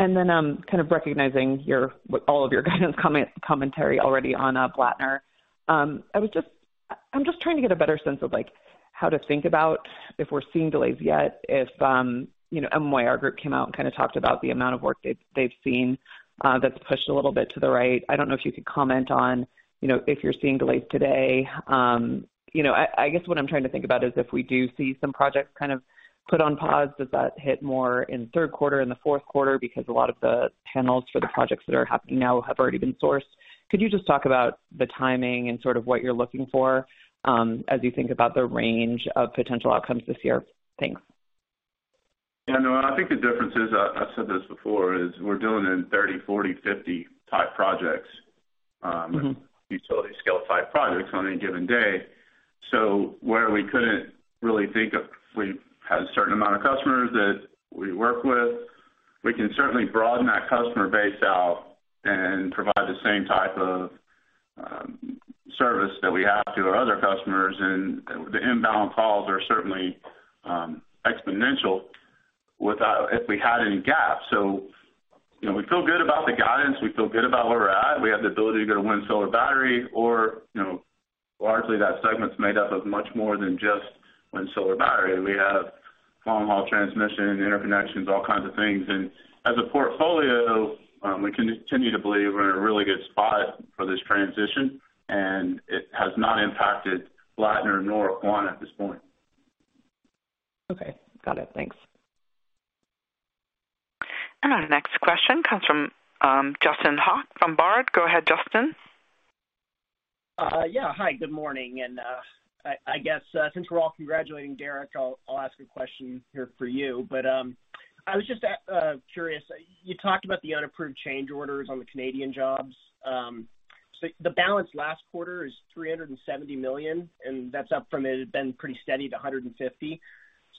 Kind of recognizing your all of your guidance commentary already on Blattner. I'm just trying to get a better sense of, like, how to think about if we're seeing delays yet. If, you know, MYR Group came out and kind of talked about the amount of work they've seen that's pushed a little bit to the right. I don't know if you could comment on, you know, if you're seeing delays today. You know, I guess what I'm trying to think about is if we do see some projects kind of put on pause, does that hit more in third quarter, in the fourth quarter? Because a lot of the panels for the projects that are happening now have already been sourced. Could you just talk about the timing and sort of what you're looking for, as you think about the range of potential outcomes this year? Thanks. Yeah, Noelle, I think the difference is, I've said this before, is we're dealing in 30, 40, 50 type projects. Mm-hmm Utility scale type projects on any given day. Where we couldn't really think of, we had a certain amount of customers that we work with, we can certainly broaden that customer base out and provide the same type of service that we have to our other customers. The inbound calls are certainly exponential without if we had any gaps. You know, we feel good about the guidance. We feel good about where we're at. We have the ability to go to wind, solar, battery or, you know, largely that segment's made up of much more than just wind, solar, battery. We have long-haul transmission, interconnections, all kinds of things. As a portfolio, we continue to believe we're in a really good spot for this transition, and it has not impacted Blattner nor Quanta at this point. Okay. Got it. Thanks. Our next question comes from Justin Hauke from Baird. Go ahead, Justin. Yeah. Hi, good morning. I guess, since we're all congratulating Derrick, I'll ask a question here for you. I was just curious, you talked about the unapproved change orders on the Canadian jobs. The balance last quarter is $370 million, and that's up from it had been pretty steady at $150.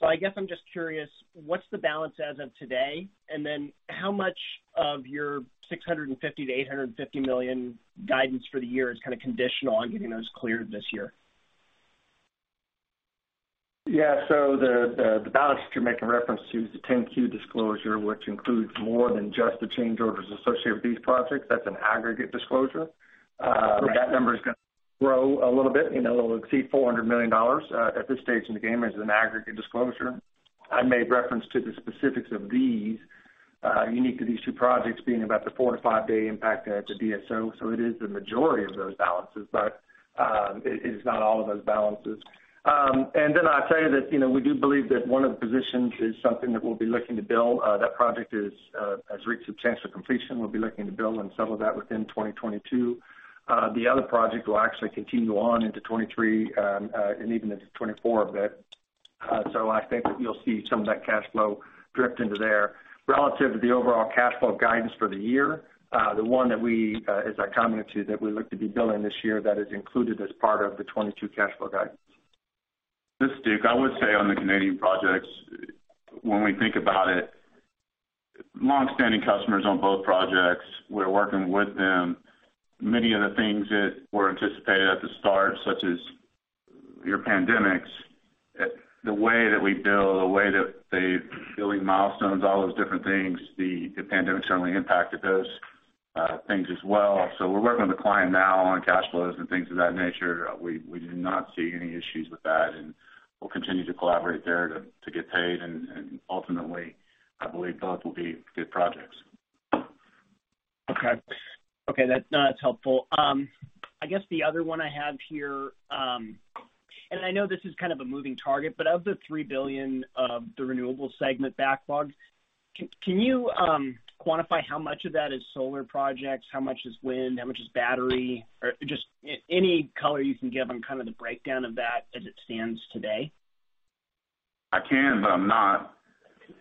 I'm just curious, what's the balance as of today? How much of your $650 million-$850 million guidance for the year is kind of conditional on getting those cleared this year? Yeah. The balance that you're making reference to is the 10-Q disclosure, which includes more than just the change orders associated with these projects. That's an aggregate disclosure. Okay. That number is gonna grow a little bit, you know, it'll exceed $400 million. At this stage in the game, it's an aggregate disclosure. I made reference to the specifics of these unique to these two projects being about the four- five day impact at the DSO. It is the majority of those balances, but it is not all of those balances. I'll tell you that, you know, we do believe that one of the positions is something that we'll be looking to bill. That project has reached substantial completion. We'll be looking to bill and settle that within 2022. The other project will actually continue on into 2023 and even into 2024 a bit. I think that you'll see some of that cash flow drift into there. Relative to the overall cash flow guidance for the year, the one that we, as I commented to, that we look to be billing this year, that is included as part of the 2022 cash flow guidance. This is Duke. I would say on the Canadian projects, when we think about it, long-standing customers on both projects, we're working with them. Many of the things that were anticipated at the start, such as your pandemics, the way that we bill, the way that they're billing milestones, all those different things, the pandemic certainly impacted those things as well. We're working with a client now on cash flows and things of that nature. We do not see any issues with that, and we'll continue to collaborate there to get paid. Ultimately, I believe both will be good projects. Okay. That's helpful. I guess the other one I have here, and I know this is kind of a moving target, but of the $3 billion of the renewable segment backlog, can you quantify how much of that is solar projects, how much is wind, how much is battery? Or just any color you can give on kind of the breakdown of that as it stands today? I can, but I'm not.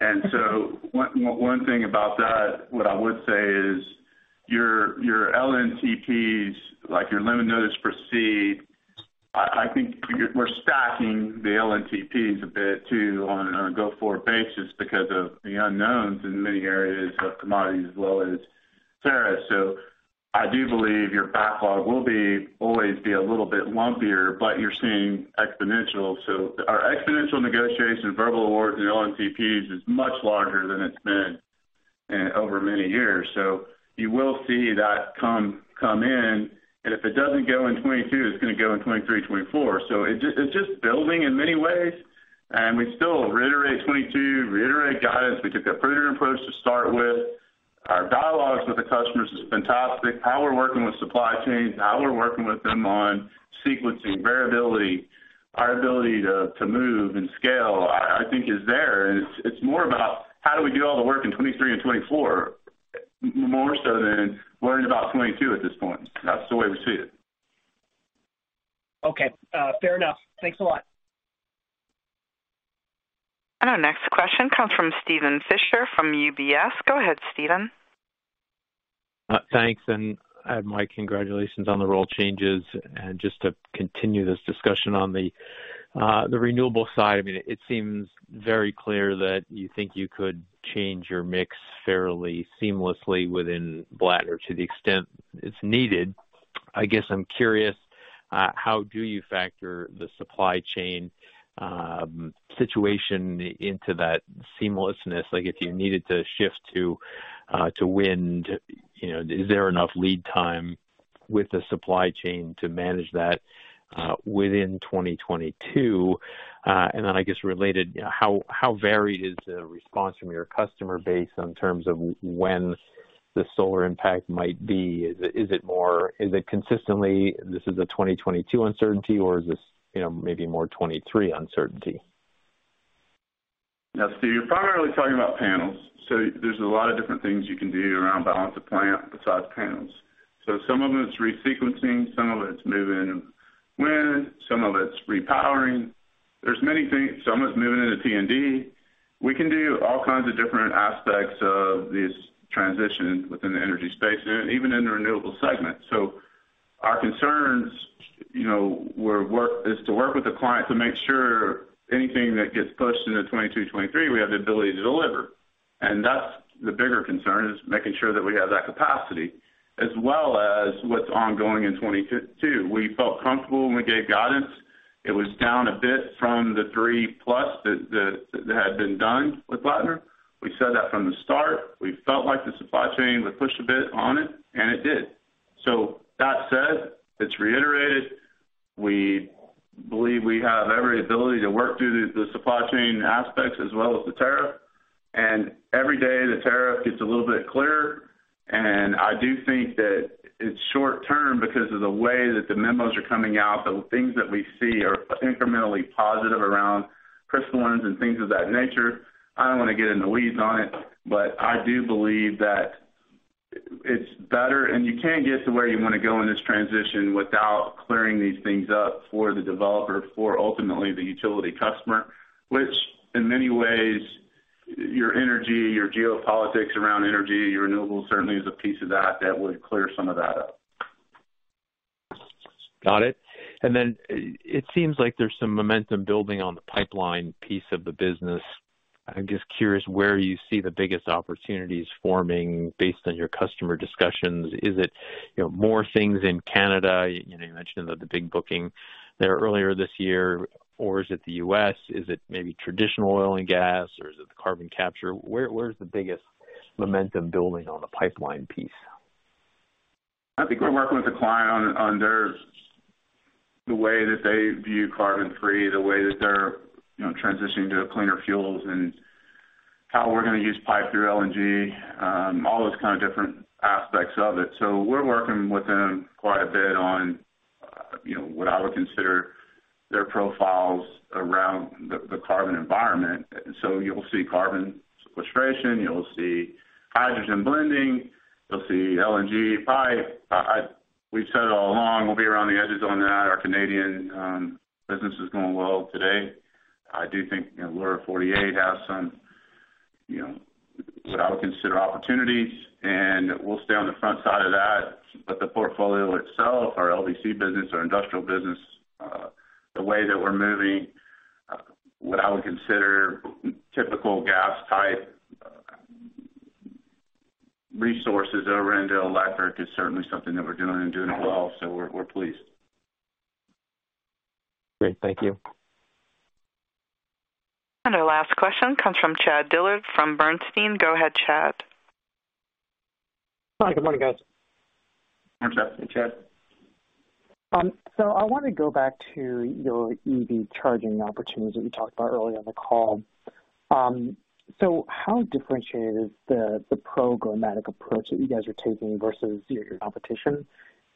One thing about that, what I would say is your LNTPs, like your limited notice to proceed, I think we're stacking the LNTPs a bit too on a go-forward basis because of the unknowns in many areas of commodities as well as tariffs. I do believe your backlog will always be a little bit lumpier, but you're seeing exponential. Our exponential negotiation, verbal awards and LNTPs is much larger than it's been over many years. You will see that come in, and if it doesn't go in 2022, it's gonna go in 2023, 2024. It's just building in many ways. We still reiterate 2022, reiterate guidance. We took that prudent approach to start with. Our dialogues with the customers is fantastic. How we're working with supply chains, how we're working with them on sequencing variability, our ability to move and scale, I think is there. It's more about how do we do all the work in 2023 and 2024, more so than worrying about 2022 at this point. That's the way we see it. Okay. Fair enough. Thanks a lot. Our next question comes from Steven Fisher from UBS. Go ahead, Steven. Thanks. Mike, congratulations on the role changes. Just to continue this discussion on the renewable side, I mean, it seems very clear that you think you could change your mix fairly seamlessly within Blattner to the extent it's needed. I guess I'm curious how do you factor the supply chain situation into that seamlessness? Like, if you needed to shift to wind, you know, is there enough lead time with the supply chain to manage that within 2022? Then I guess related, how varied is the response from your customer base in terms of when the solar impact might be? Is it more consistently this is a 2022 uncertainty or is this, you know, maybe more 2023 uncertainty? Now, Steve, you're primarily talking about panels. There's a lot of different things you can do around balance of plant besides panels. Some of them it's resequencing, some of it's moving wind, some of it's repowering. There's many things. Some of it's moving into T&D. We can do all kinds of different aspects of these transitions within the energy space and even in the renewable segment. Our concerns, you know, is to work with the client to make sure anything that gets pushed into 2022, 2023, we have the ability to deliver. That's the bigger concern, is making sure that we have that capacity as well as what's ongoing in 2022. We felt comfortable when we gave guidance. It was down a bit from the 3+ that had been done with Blattner. We said that from the start. We felt like the supply chain would push a bit on it, and it did. That said, it's reiterated. We believe we have every ability to work through the supply chain aspects as well as the tariff. Every day the tariff gets a little bit clearer. I do think that it's short term because of the way that the memos are coming out, the things that we see are incrementally positive around crystallines and things of that nature. I don't wanna get in the weeds on it, but I do believe that it's better. You can't get to where you wanna go in this transition without clearing these things up for the developer, for ultimately the utility customer. Which in many ways, your energy, your geopolitics around energy, your renewables certainly is a piece of that that would clear some of that up. Got it. It seems like there's some momentum building on the pipeline piece of the business. I'm just curious where you see the biggest opportunities forming based on your customer discussions. Is it, you know, more things in Canada? You know, you mentioned the big booking there earlier this year, or is it the U.S.? Is it maybe traditional oil and gas, or is it the carbon capture? Where's the biggest momentum building on the pipeline piece? I think we're working with the client on the way that they view carbon-free, the way that they're, you know, transitioning to cleaner fuels and how we're gonna use pipe through LNG, all those kind of different aspects of it. We're working with them quite a bit on, you know, what I would consider their profiles around the carbon environment. You'll see carbon sequestration, you'll see hydrogen blending, you'll see LNG pipe. We've said it all along, we'll be around the edges on that. Our Canadian business is going well today. I do think, you know, lower 48 has some, you know, what I would consider opportunities, and we'll stay on the front side of that. The portfolio itself, our LDC business, our industrial business, the way that we're moving, what I would consider typical gas type resources over in the electric is certainly something that we're doing and doing it well. We're pleased. Great. Thank you. Our last question comes from Chad Dillard from Bernstein. Go ahead, Chad. Hi. Good morning, guys. Morning, Chad. Hey, Chad. I wanna go back to your EV charging opportunities that you talked about earlier on the call. How differentiated is the programmatic approach that you guys are taking versus your competition?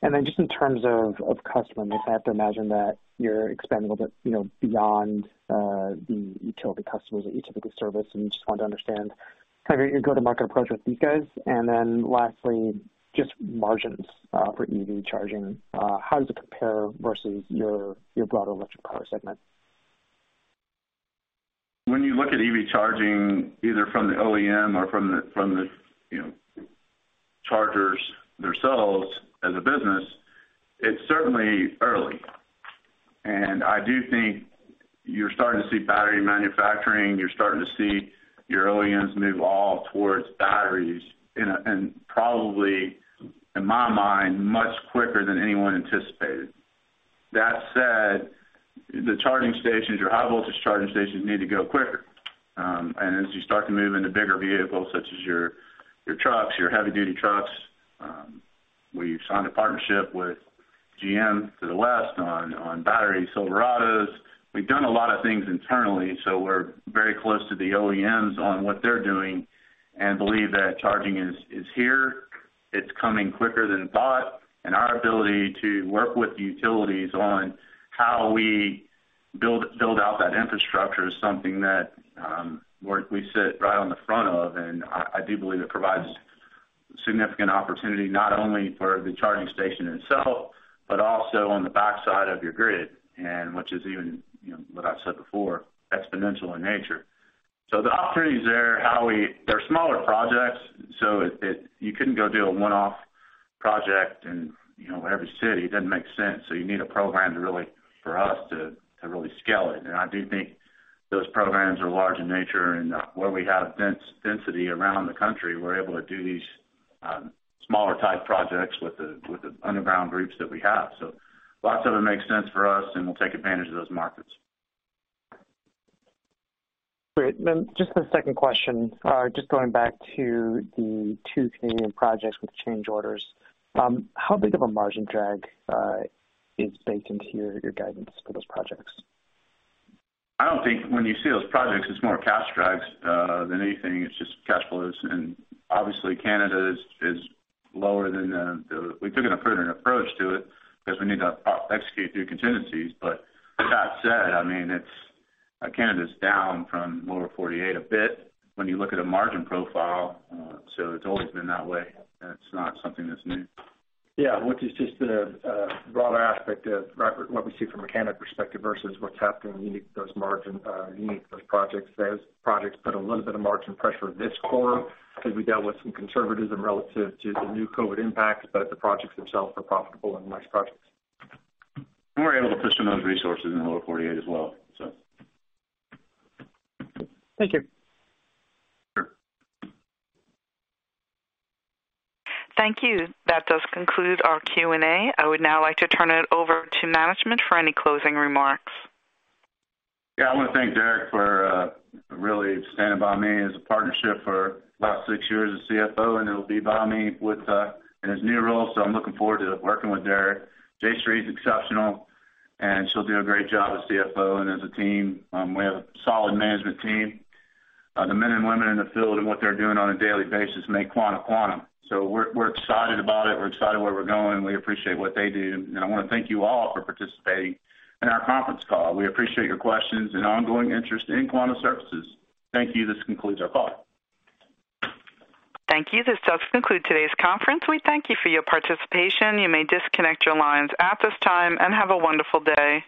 And then just in terms of customer mix, I have to imagine that you're expanding a bit, you know, beyond the utility customers that you typically service, and I just want to understand kind of your go-to-market approach with these guys. And then lastly, just margins for EV charging. How does it compare versus your broader electric power segment? When you look at EV charging, either from the OEM or from the you know, chargers themselves as a business, it's certainly early. I do think you're starting to see battery manufacturing, you're starting to see your OEMs move all towards batteries and probably, in my mind, much quicker than anyone anticipated. That said, the charging stations or high voltage charging stations need to go quicker. As you start to move into bigger vehicles, such as your trucks, your heavy-duty trucks, we've signed a partnership with GM to the West on battery Silverados. We've done a lot of things internally, so we're very close to the OEMs on what they're doing and believe that charging is here. It's coming quicker than thought. Our ability to work with utilities on how we build out that infrastructure is something that we sit right on the front of. I do believe it provides significant opportunity, not only for the charging station itself, but also on the backside of your grid, which is even, you know, what I've said before, exponential in nature. The opportunity is there. They're smaller projects, so you couldn't go do a one-off project in, you know, every city. It doesn't make sense. You need a program for us to really scale it. I do think those programs are large in nature. Where we have density around the country, we're able to do these smaller type projects with the underground groups that we have. Lots of it makes sense for us, and we'll take advantage of those markets. Great. Just the second question, just going back to the two Canadian projects with change orders. How big of a margin drag is baked into your guidance for those projects? I don't think when you see those projects, it's more cash drags than anything. It's just cash flows. Obviously Canada is lower, we took a prudent approach to it because we need to execute through contingencies. With that said, I mean, it's Canada's down from lower 48 bit when you look at a margin profile. It's always been that way, and it's not something that's new. Yeah. Which is just the broader aspect of what we see from a Canada perspective versus what's happening unique to those projects. Those projects put a little bit of margin pressure this quarter because we dealt with some conservatism relative to the new COVID impacts. The projects themselves are profitable and nice projects. We're able to push some of those resources in the lower 48 as well. Thank you. Sure. Thank you. That does conclude our Q&A. I would now like to turn it over to management for any closing remarks. Yeah. I want to thank Derrick for really standing by me as a partnership for the last six years as CFO, and he'll be by me with in his new role. I'm looking forward to working with Derrick. Jayshree is exceptional, and she'll do a great job as CFO and as a team. We have a solid management team. The men and women in the field and what they're doing on a daily basis make Quanta Quanta. We're excited about it. We're excited where we're going. We appreciate what they do. I wanna thank you all for participating in our conference call. We appreciate your questions and ongoing interest in Quanta Services. Thank you. This concludes our call. Thank you. This does conclude today's conference. We thank you for your participation. You may disconnect your lines at this time and have a wonderful day.